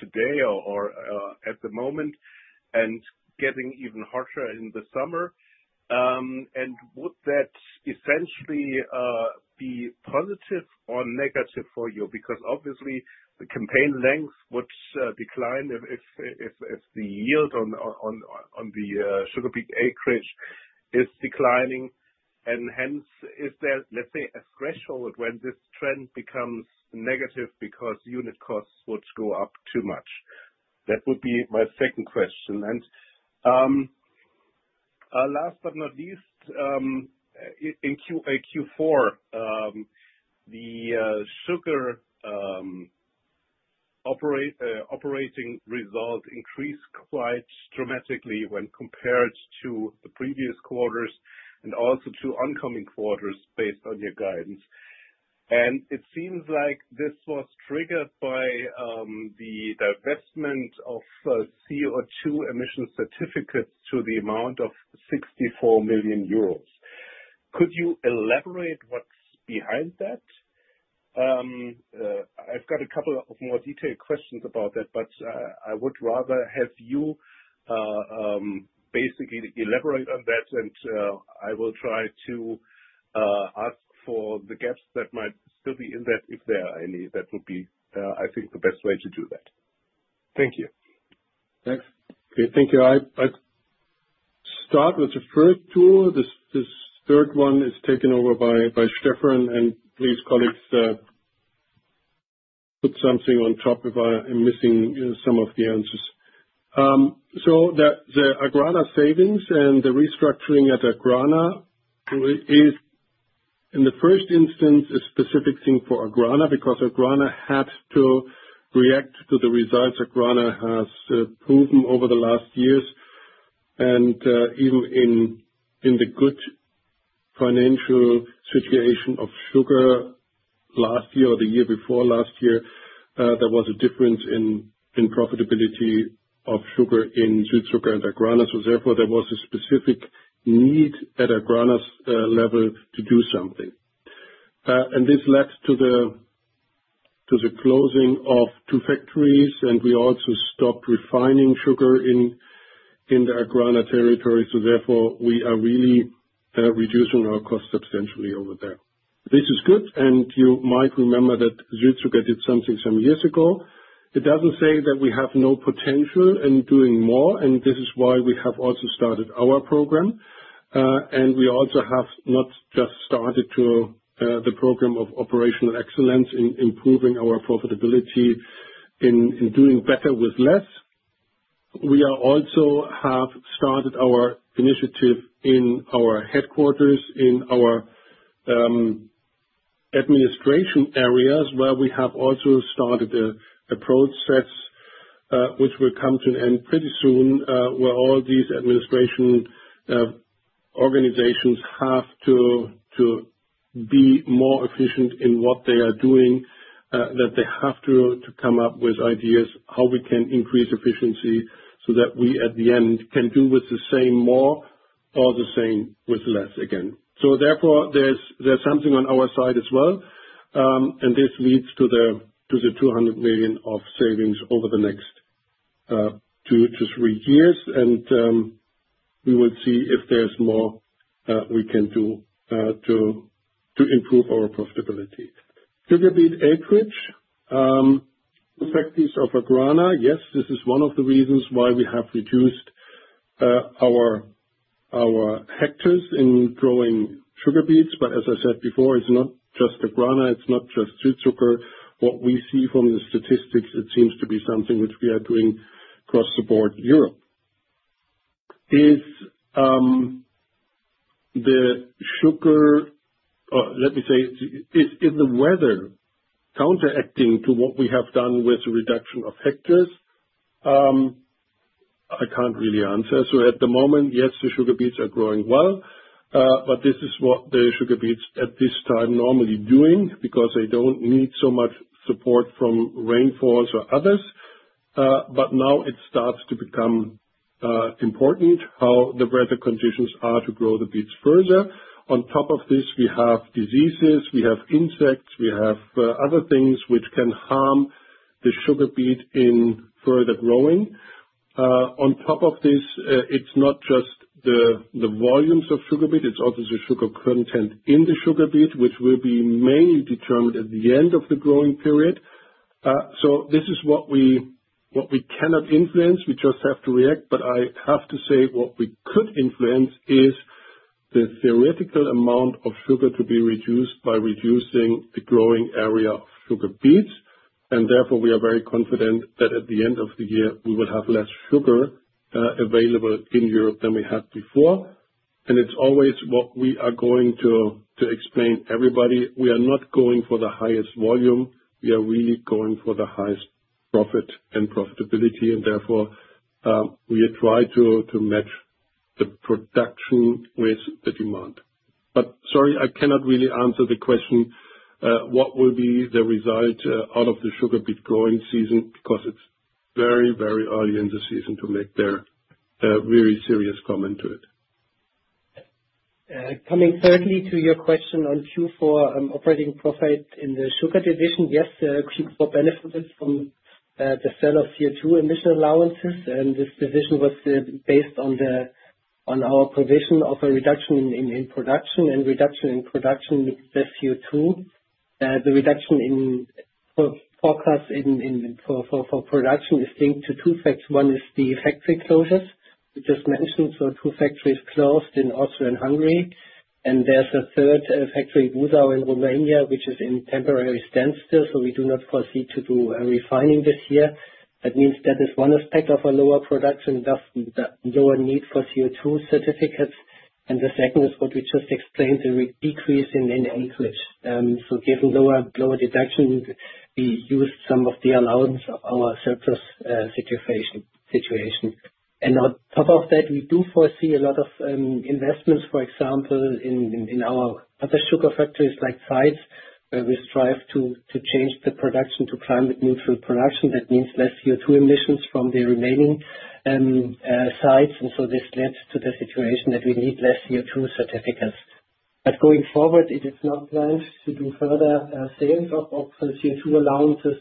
today or at the moment and getting even hotter in the summer? Would that essentially be positive or negative for you? Because obviously, the campaign length would decline if the yield on the sugar beet acreage is declining. Hence, is there, let's say, a threshold when this trend becomes negative because unit costs would go up too much? That would be my second question. Last but not least, in Q4, the sugar operating result increased quite dramatically when compared to the previous quarters and also to oncoming quarters based on your guidance. It seems like this was triggered by the divestment of CO2 emission certificates to the amount of 64 million euros. Could you elaborate what's behind that? I've got a couple of more detailed questions about that, but I would rather have you basically elaborate on that, and I will try to ask for the gaps that might still be in that if there are any. That would be, I think, the best way to do that. Thank you. Thanks. Okay. Thank you. I'll start with the first tour. This third one is taken over by Steffen and please colleagues put something on top if I'm missing some of the answers. The AGRANA savings and the restructuring at AGRANA is, in the first instance, a specific thing for AGRANA because AGRANA had to react to the results AGRANA has proven over the last years. Even in the good financial situation of sugar last year or the year before last year, there was a difference in profitability of sugar in Südzucker and AGRANA. Therefore, there was a specific need at AGRANA's level to do something. This led to the closing of two factories, and we also stopped refining sugar in the AGRANA territory. Therefore, we are really reducing our costs substantially over there. This is good, and you might remember that Südzucker did something some years ago. It does not say that we have no potential in doing more, and this is why we have also started our program. We also have not just started the program of operational excellence in improving our profitability in doing better with less. We also have started our initiative in our headquarters, in our administration areas, where we have also started a process, which will come to an end pretty soon, where all these administration organizations have to be more efficient in what they are doing, that they have to come up with ideas how we can increase efficiency so that we at the end can do with the same more or the same with less again. Therefore, there is something on our side as well. This leads to the 200 million of savings over the next two to three years. We will see if there's more we can do to improve our profitability. Sugar beet acreage, the factories of AGRANA, yes, this is one of the reasons why we have reduced our hectares in growing sugar beets. As I said before, it's not just AGRANA, it's not just Südzucker. What we see from the statistics, it seems to be something which we are doing across the board in Europe. Is the sugar, or let me say, is the weather counteracting to what we have done with the reduction of hectares? I can't really answer. At the moment, yes, the sugar beets are growing well, but this is what the sugar beets at this time are normally doing because they don't need so much support from rainfalls or others. Now it starts to become important how the weather conditions are to grow the beets further. On top of this, we have diseases, we have insects, we have other things which can harm the sugar beet in further growing. On top of this, it's not just the volumes of sugar beet, it's also the sugar content in the sugar beet, which will be mainly determined at the end of the growing period. This is what we cannot influence. We just have to react. I have to say what we could influence is the theoretical amount of sugar to be reduced by reducing the growing area of sugar beets. Therefore, we are very confident that at the end of the year, we will have less sugar available in Europe than we had before. It's always what we are going to explain to everybody. We are not going for the highest volume. We are really going for the highest profit and profitability. Therefore, we try to match the production with the demand. Sorry, I cannot really answer the question what will be the result out of the sugar beet growing season because it is very, very early in the season to make a very serious comment to it. Coming thirdly to your question on Q4 operating profit in the sugar division, yes, Q4 benefited from the sale of CO2 emission allowances. This decision was based on our provision of a reduction in production, and reduction in production means less CO2. The reduction in forecasts for production is linked to two factors. One is the factory closures we just mentioned. Two factories closed in Austria and Hungary. There is a third factory in Wausau in Romania, which is in temporary standstill. We do not foresee to do refining this year. That means that is one aspect of a lower production, lower need for CO2 certificates. The second is what we just explained, the decrease in acreage. Given lower deduction, we used some of the allowance of our surplus situation. On top of that, we do foresee a lot of investments, for example, in our other sugar factories like Zeitz, where we strive to change the production to climate-neutral production. That means less CO2 emissions from the remaining sites. This led to the situation that we need less CO2 certificates. Going forward, it is not planned to do further sales of CO2 allowances.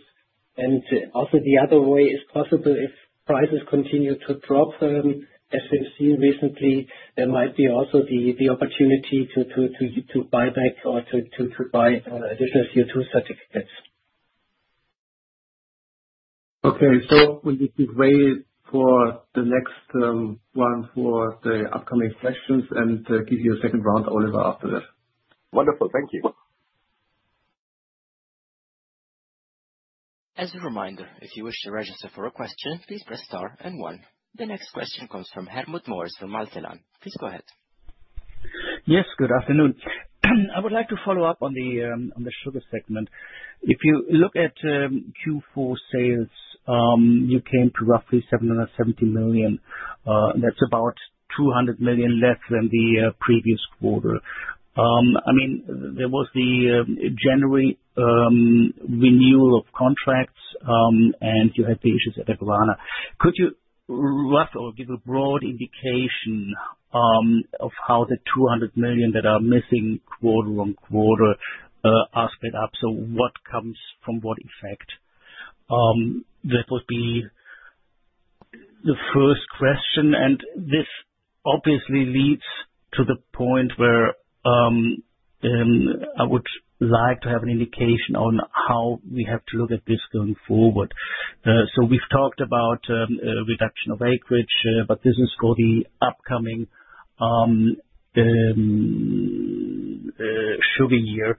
Also, the other way is possible if prices continue to drop. As we've seen recently, there might be also the opportunity to buy back or to buy additional CO2 certificates. Okay. We'll give way for the next one for the upcoming questions and give you a second round, Oliver, after that. Wonderful. Thank you. As a reminder, if you wish to register for a question, please press star and one. The next question comes from Hartmut Moers from Matelan. Please go ahead. Yes. Good afternoon. I would like to follow up on the sugar segment. If you look at Q4 sales, you came to roughly 770 million. That's about 200 million less than the previous quarter. I mean, there was the January renewal of contracts, and you had the issues at AGRANA. Could you rough or give a broad indication of how the 200 million that are missing quarter on quarter are split up? What comes from what effect? That would be the first question. This obviously leads to the point where I would like to have an indication on how we have to look at this going forward. We have talked about reduction of acreage, but this is for the upcoming sugar year.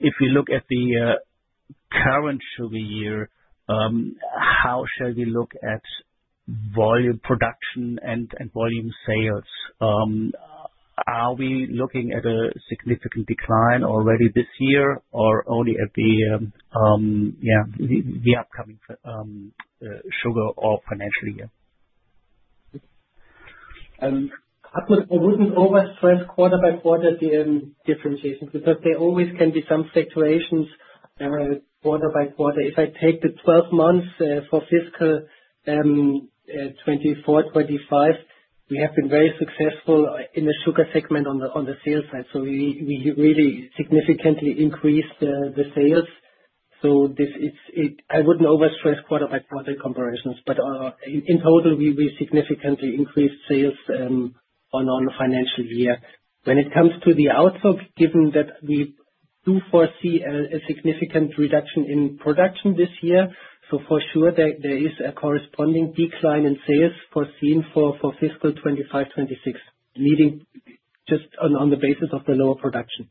If we look at the current sugar year, how shall we look at volume production and volume sales? Are we looking at a significant decline already this year or only at the upcoming sugar or financial year? I would not always stress quarter by quarter differentiation because there always can be some fluctuations quarter by quarter. If I take the 12 months for fiscal 2024-2025, we have been very successful in the sugar segment on the sales side. We really significantly increased the sales. I would not overstress quarter by quarter comparisons. In total, we significantly increased sales on a financial year. When it comes to the outlook, given that we do foresee a significant reduction in production this year, for sure, there is a corresponding decline in sales foreseen for fiscal 2025-2026, leading just on the basis of the lower production.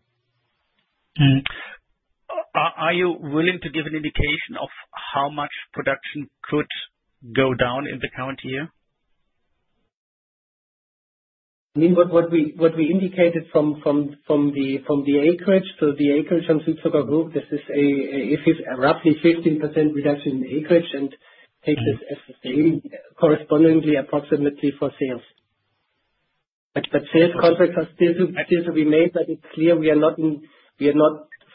Are you willing to give an indication of how much production could go down in the current year? I mean, what we indicated from the acreage. The acreage on Südzucker Group, this is roughly 15% reduction in acreage and takes us as the same correspondingly approximately for sales. Sales contracts are still to remain, but it is clear we are not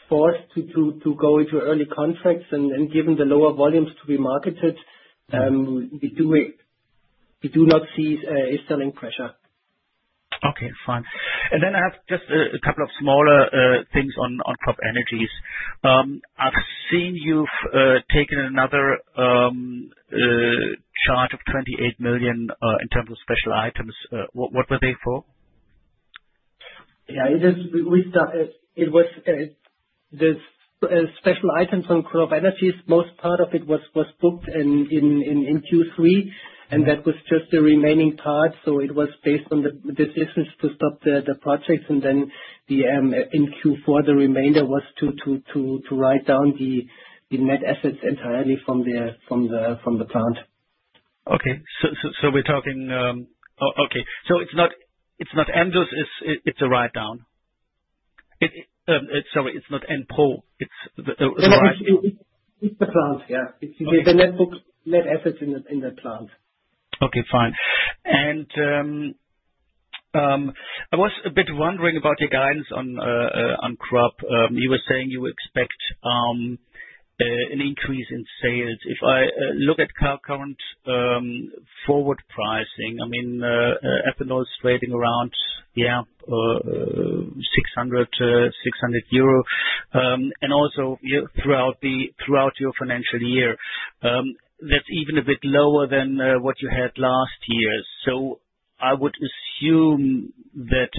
forced to go into early contracts. Given the lower volumes to be marketed, we do not see a selling pressure. Okay. Fine. I have just a couple of smaller things on CropEnergies. I've seen you've taken another charge of 28 million in terms of special items. What were they for? Yeah. It was the special items on CropEnergies. Most part of it was booked in Q3, and that was just the remaining part. It was based on the decisions to stop the projects. In Q4, the remainder was to write down the net assets entirely from the plant. Okay. So we're talking okay. It's not Ensus, it's a write-down. Sorry, it's not NPRO, it's the plant. Yeah. The net assets in the plant. Okay. Fine. I was a bit wondering about your guidance on Crop. You were saying you expect an increase in sales. If I look at current forward pricing, I mean, ethanol is trading around, yeah, EUR 600. Also, throughout your financial year, that's even a bit lower than what you had last year. I would assume that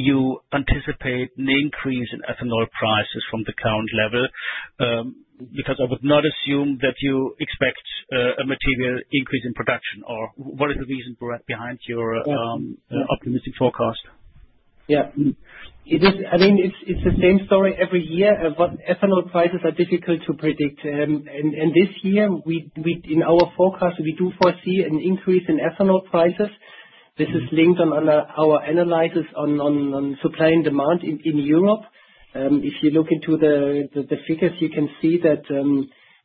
you anticipate an increase in ethanol prices from the current level because I would not assume that you expect a material increase in production. What is the reason behind your optimistic forecast? Yeah. I mean, it's the same story every year. Ethanol prices are difficult to predict. This year, in our forecast, we do foresee an increase in ethanol prices. This is linked under our analysis on supply and demand in Europe. If you look into the figures, you can see that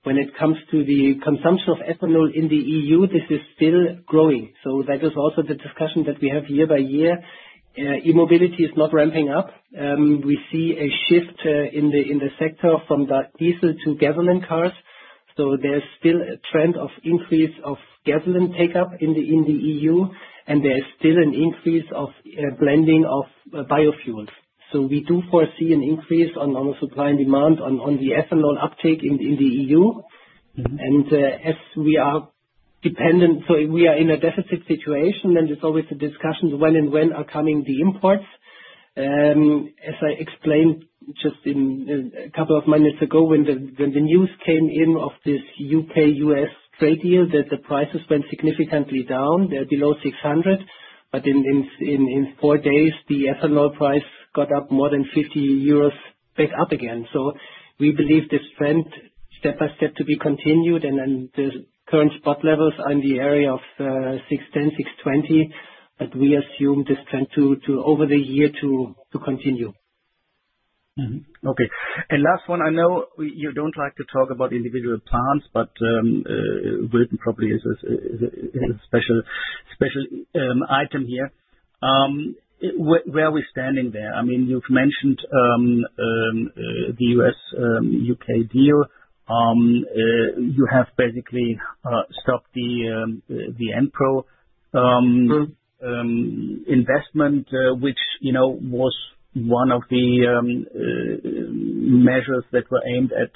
when it comes to the consumption of ethanol in the EU, this is still growing. That is also the discussion that we have year by year. Immobility is not ramping up. We see a shift in the sector from diesel to gasoline cars. There is still a trend of increase of gasoline take-up in the EU, and there is still an increase of blending of biofuels. We do foresee an increase on supply and demand on the ethanol uptake in the EU. As we are dependent, we are in a deficit situation, then there is always a discussion when and when are coming the imports. As I explained just a couple of minutes ago when the news came in of this U.K.-U.S. trade deal, the prices went significantly down, below 600. In four days, the ethanol price got up more than 50 euros back up again. We believe this trend step by step to be continued. The current spot levels are in the area of 610-620. We assume this trend over the year to continue. Okay. Last one, I know you don't like to talk about individual plants, but Wilton probably is a special item here. Where are we standing there? I mean, you've mentioned the U.S.-U.K. deal. You have basically stopped the NPRO investment, which was one of the measures that were aimed at,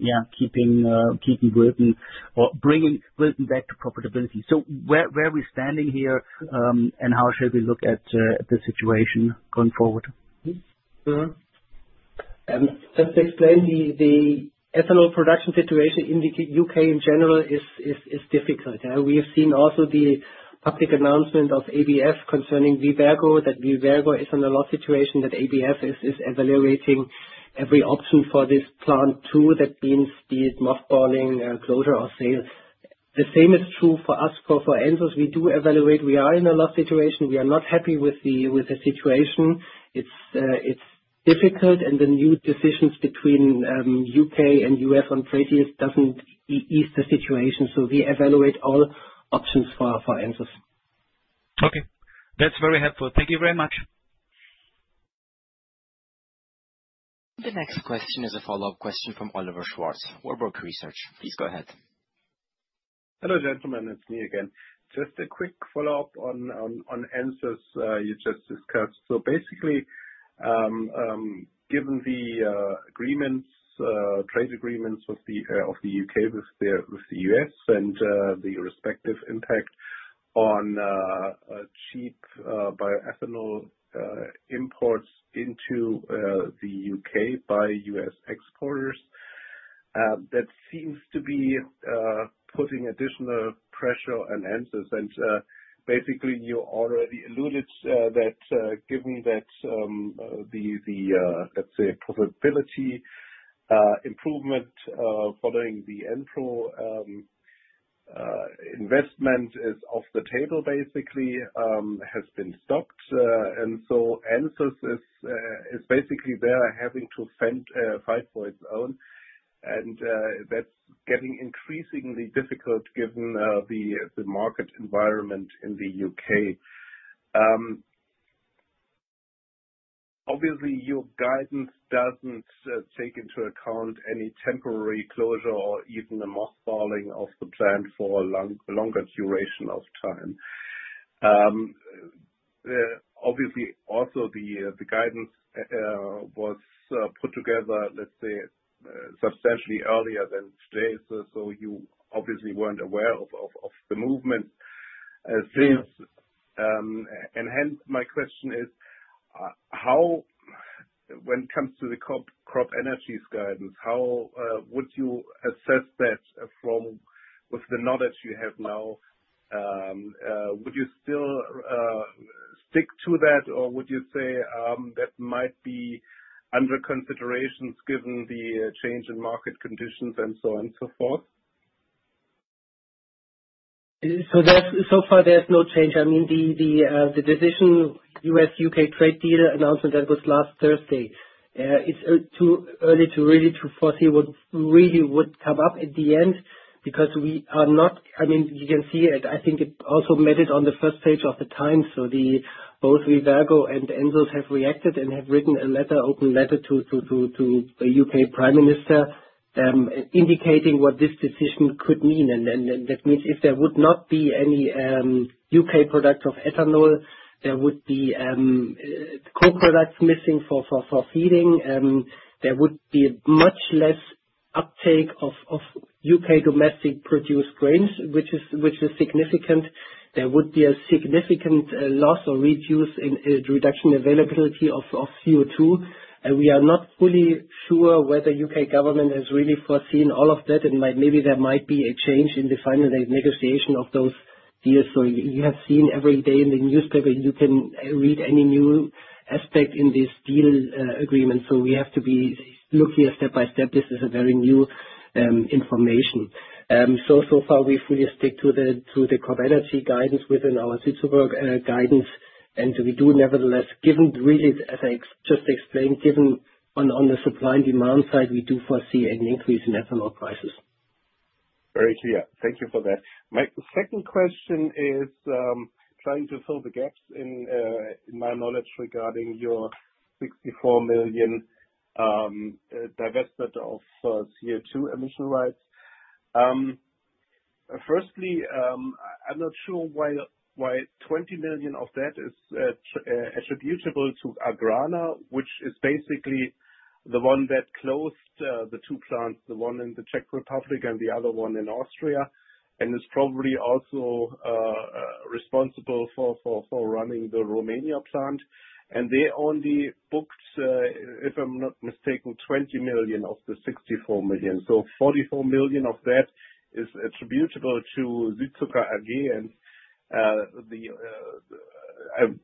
yeah, keeping Wilton or bringing Wilton back to profitability. Where are we standing here and how shall we look at the situation going forward? Just to explain, the ethanol production situation in the U.K. in general is difficult. We have seen also the public announcement of ABF concerning Vivergo, that Vivergo is in a loss situation, that ABF is evaluating every option for this plant too. That means the mothballing, closure, or sale. The same is true for us. For Ensus, we do evaluate. We are in a loss situation. We are not happy with the situation. It's difficult. The new decisions between the U.K. and U.S. on trade deals do not ease the situation. We evaluate all options for Ensus. Okay. That is very helpful. Thank you very much. The next question is a follow-up question from Oliver Schwarz with Warburg Research. Please go ahead. Hello, gentlemen. It is me again. Just a quick follow-up on Ensus you just discussed. Basically, given the trade agreements of the U.K. with the U.S. and the respective impact on cheap bioethanol imports into the U.K. by U.S. exporters, that seems to be putting additional pressure on Ensus. You already alluded that, given that the, let's say, profitability improvement following the NPRO investment is off the table, basically has been stopped. Ensus is basically there having to fight for its own. That is getting increasingly difficult given the market environment in the U.K. Obviously, your guidance does not take into account any temporary closure or even a mothballing of the plant for a longer duration of time. Obviously, also the guidance was put together, let's say, substantially earlier than today. You obviously were not aware of the movement. My question is, when it comes to the CropEnergies guidance, how would you assess that with the knowledge you have now? Would you still stick to that, or would you say that might be under consideration given the change in market conditions and so on and so forth? So far, there is no change. I mean, the decision U.S.-U.K. trade deal announcement that was last Thursday, it is too early to really foresee what really would come up at the end because we are not, I mean, you can see it. I think it also made it on the first page of The Times. Both Vivergo and Ensus have reacted and have written an open letter to the U.K. Prime Minister indicating what this decision could mean. That means if there would not be any U.K. product of ethanol, there would be co-products missing for feeding. There would be much less uptake of U.K. domestic-produced grains, which is significant. There would be a significant loss or reduction availability of CO2. We are not fully sure whether the U.K. government has really foreseen all of that. Maybe there might be a change in the final negotiation of those deals. You have seen every day in the newspaper, you can read any new aspect in this deal agreement. We have to be looking at step by step. This is very new information. So far, we fully stick to the Crop-Energies guidance within our Südzucker guidance. We do, nevertheless, given really, as I just explained, given on the supply and demand side, we do foresee an increase in ethanol prices. Very clear. Thank you for that. My second question is trying to fill the gaps in my knowledge regarding your 64 million divested of CO2 emission rights. Firstly, I'm not sure why 20 million of that is attributable to AGRANA, which is basically the one that closed the two plants, the one in the Czech Republic and the other one in Austria, and is probably also responsible for running the Romania plant. They only booked, if I'm not mistaken, 20 million of the 64 million. So 44 million of that is attributable to Südzucker again.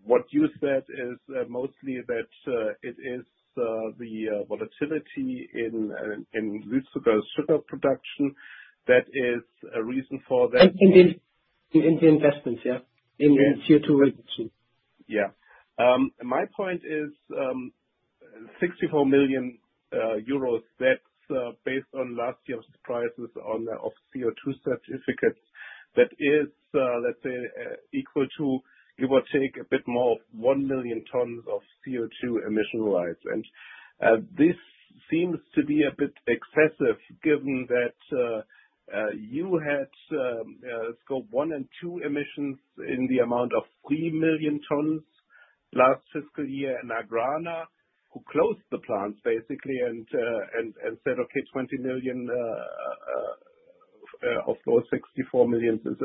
What you said is mostly that it is the volatility in Südzucker's sugar production that is a reason for that. In the investment, yeah, in CO2 reduction. Yeah. My point is 64 million euros, that's based on last year's prices of CO2 certificates. That is, let's say, equal to it would take a bit more of 1 million tons of CO2 emission rights. This seems to be a bit excessive given that you had scope one and two emissions in the amount of 3 million tons last fiscal year. AGRANA, who closed the plants basically and said, "Okay, 20 million of those 64 million is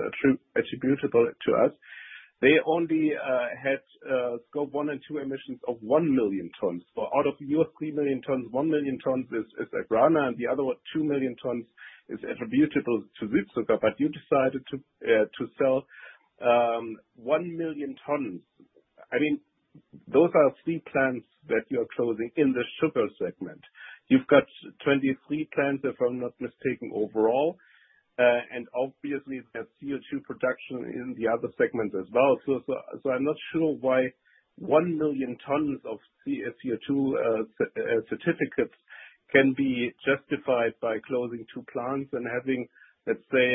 attributable to us." They only had scope one and two emissions of 1 million tons. Out of your 3 million tons, 1 million tons is AGRANA, and the other 2 million tons is attributable to Südzucker. You decided to sell 1 million tons. I mean, those are three plants that you are closing in the sugar segment. You've got 23 plants, if I'm not mistaken, overall. Obviously, there's CO2 production in the other segments as well. I'm not sure why 1 million tons of CO2 certificates can be justified by closing two plants and having, let's say,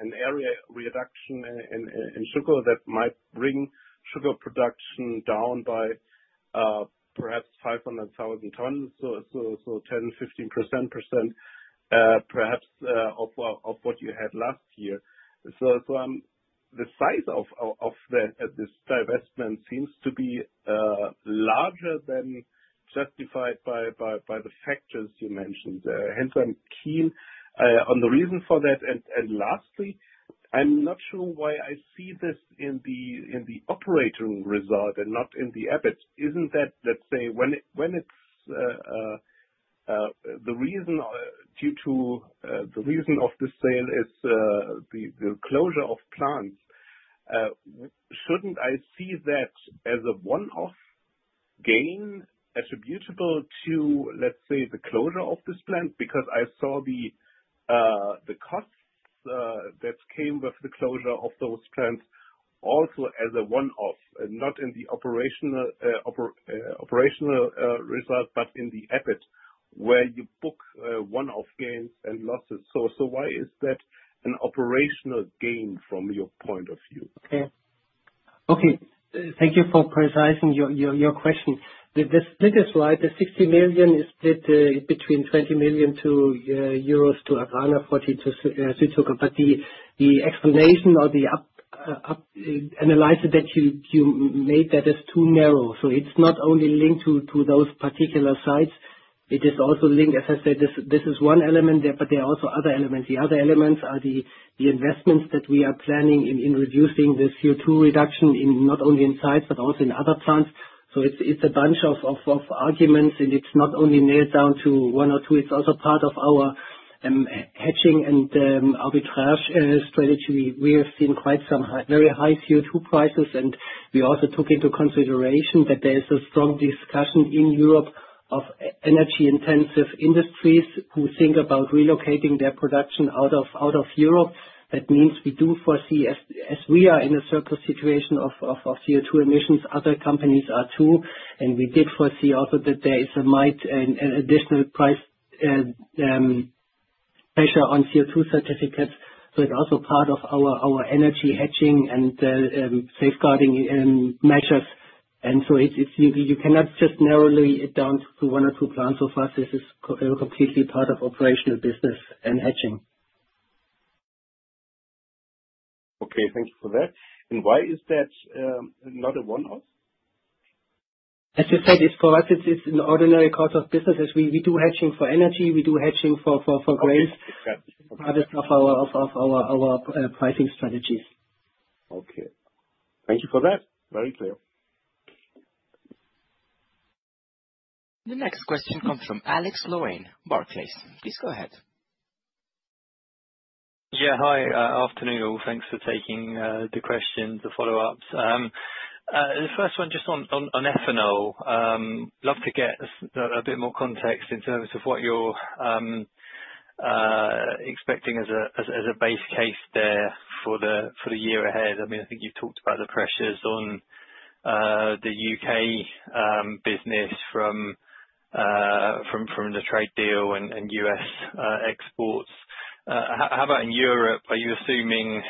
an area reduction in sugar that might bring sugar production down by perhaps 500,000 tons. So 10%-15%, perhaps, of what you had last year. The size of this divestment seems to be larger than justified by the factors you mentioned. Hence, I'm keen on the reason for that. Lastly, I'm not sure why I see this in the operating result and not in the EBIT. Isn't that, let's say, when it's the reason due to the reason of the sale is the closure of plants, shouldn't I see that as a one-off gain attributable to, let's say, the closure of this plant? Because I saw the costs that came with the closure of those plants also as a one-off, not in the operational result, but in the EBIT, where you book one-off gains and losses. Why is that an operational gain from your point of view? Okay. Thank you for precising your question. The split is right. The 60 million is split between 20 million euros to AGRANA, 40 million to Südzucker. The explanation or the analysis that you made, that is too narrow. It is not only linked to those particular sites. It is also linked, as I said, this is one element there, but there are also other elements. The other elements are the investments that we are planning in reducing the CO2 reduction not only in sites, but also in other plants. It's a bunch of arguments, and it's not only nailed down to one or two. It's also part of our hedging and arbitrage strategy. We have seen quite some very high CO2 prices. We also took into consideration that there is a strong discussion in Europe of energy-intensive industries who think about relocating their production out of Europe. That means we do foresee, as we are in a circle situation of CO2 emissions, other companies are too. We did foresee also that there might be additional price pressure on CO2 certificates. It's also part of our energy hedging and safeguarding measures. You cannot just narrowly down to one or two plants. So far, this is completely part of operational business and hedging. Okay. Thank you for that. Why is that not a one-off? As I said, for us, it's an ordinary course of business. We do hedging for energy. We do hedging for grains as part of our pricing strategies. Okay. Thank you for that. Very clear. The next question comes from Alex Loughran, Barclays. Please go ahead. Yeah. Hi. Afternoon, all. Thanks for taking the questions, the follow-ups. The first one, just on ethanol, I'd love to get a bit more context in terms of what you're expecting as a base case there for the year ahead. I mean, I think you've talked about the pressures on the U.K. business from the trade deal and U.S. exports. How about in Europe? Are you assuming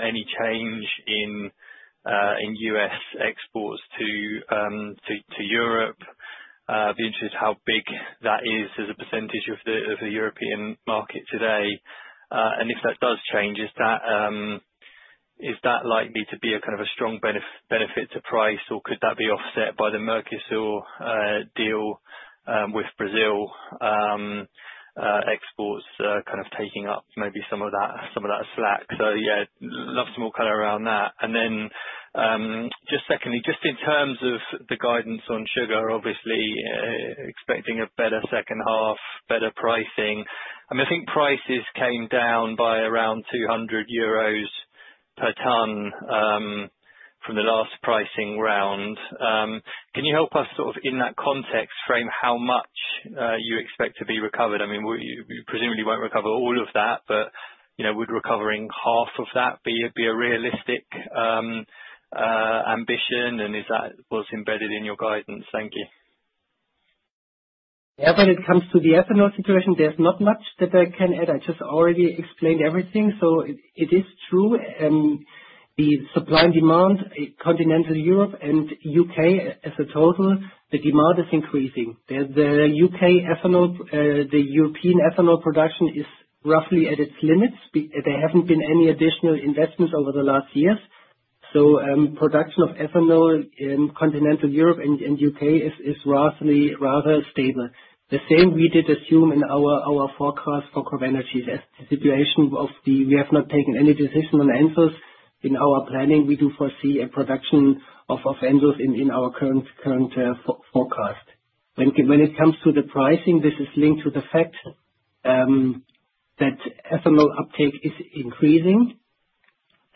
any change in U.S. exports to Europe? I'd be interested in how big that is as a percentage of the European market today. If that does change, is that likely to be a kind of a strong benefit to price, or could that be offset by the Mercosur deal with Brazil exports kind of taking up maybe some of that slack? Yeah, lots more color around that. Secondly, just in terms of the guidance on sugar, obviously expecting a better second half, better pricing. I mean, I think prices came down by around 200 euros per ton from the last pricing round. Can you help us sort of in that context frame how much you expect to be recovered? I mean, presumably you will not recover all of that, but would recovering half of that be a realistic ambition? Is that what is embedded in your guidance? Thank you. Yeah. When it comes to the ethanol situation, there is not much that I can add. I just already explained everything. It is true. The supply and demand, continental Europe and U.K. as a total, the demand is increasing. The European ethanol production is roughly at its limits. There have not been any additional investments over the last years. Production of ethanol in continental Europe and U.K. is rather stable. The same we did assume in our forecast for Crop Energies. As the situation of the we have not taken any decision on Ensus. In our planning, we do foresee a production of Ensus in our current forecast. When it comes to the pricing, this is linked to the fact that ethanol uptake is increasing.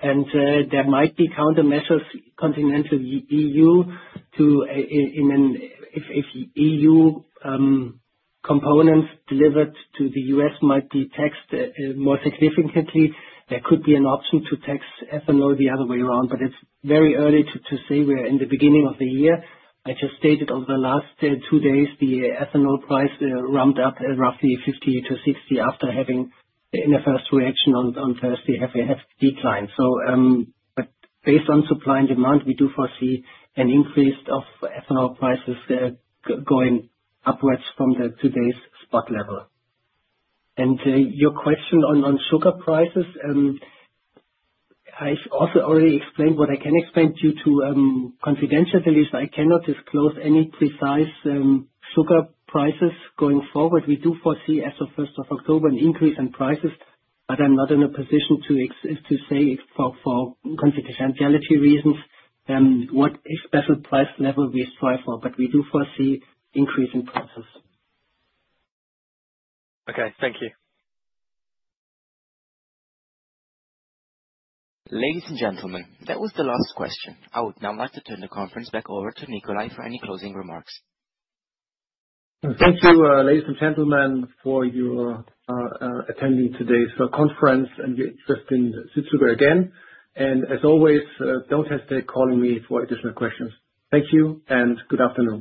There might be countermeasures, continental EU, if EU components delivered to the U.S. might be taxed more significantly, there could be an option to tax ethanol the other way around. It is very early to say. We are in the beginning of the year. I just stated over the last two days, the ethanol price ramped up roughly 50-60 after having in a first reaction on Thursday have declined. Based on supply and demand, we do foresee an increase of ethanol prices going upwards from today's spot level. Your question on sugar prices, I also already explained what I can explain due to confidential delivery. I cannot disclose any precise sugar prices going forward. We do foresee as of 1st of October an increase in prices, but I'm not in a position to say for confidentiality reasons what special price level we strive for. We do foresee increase in prices. Okay. Thank you. Ladies and gentlemen, that was the last question. I would now like to turn the conference back over to Nikolai for any closing remarks. Thank you, ladies and gentlemen, for your attending today's conference and just in Südzucker again. As always, do not hesitate calling me for additional questions. Thank you and good afternoon.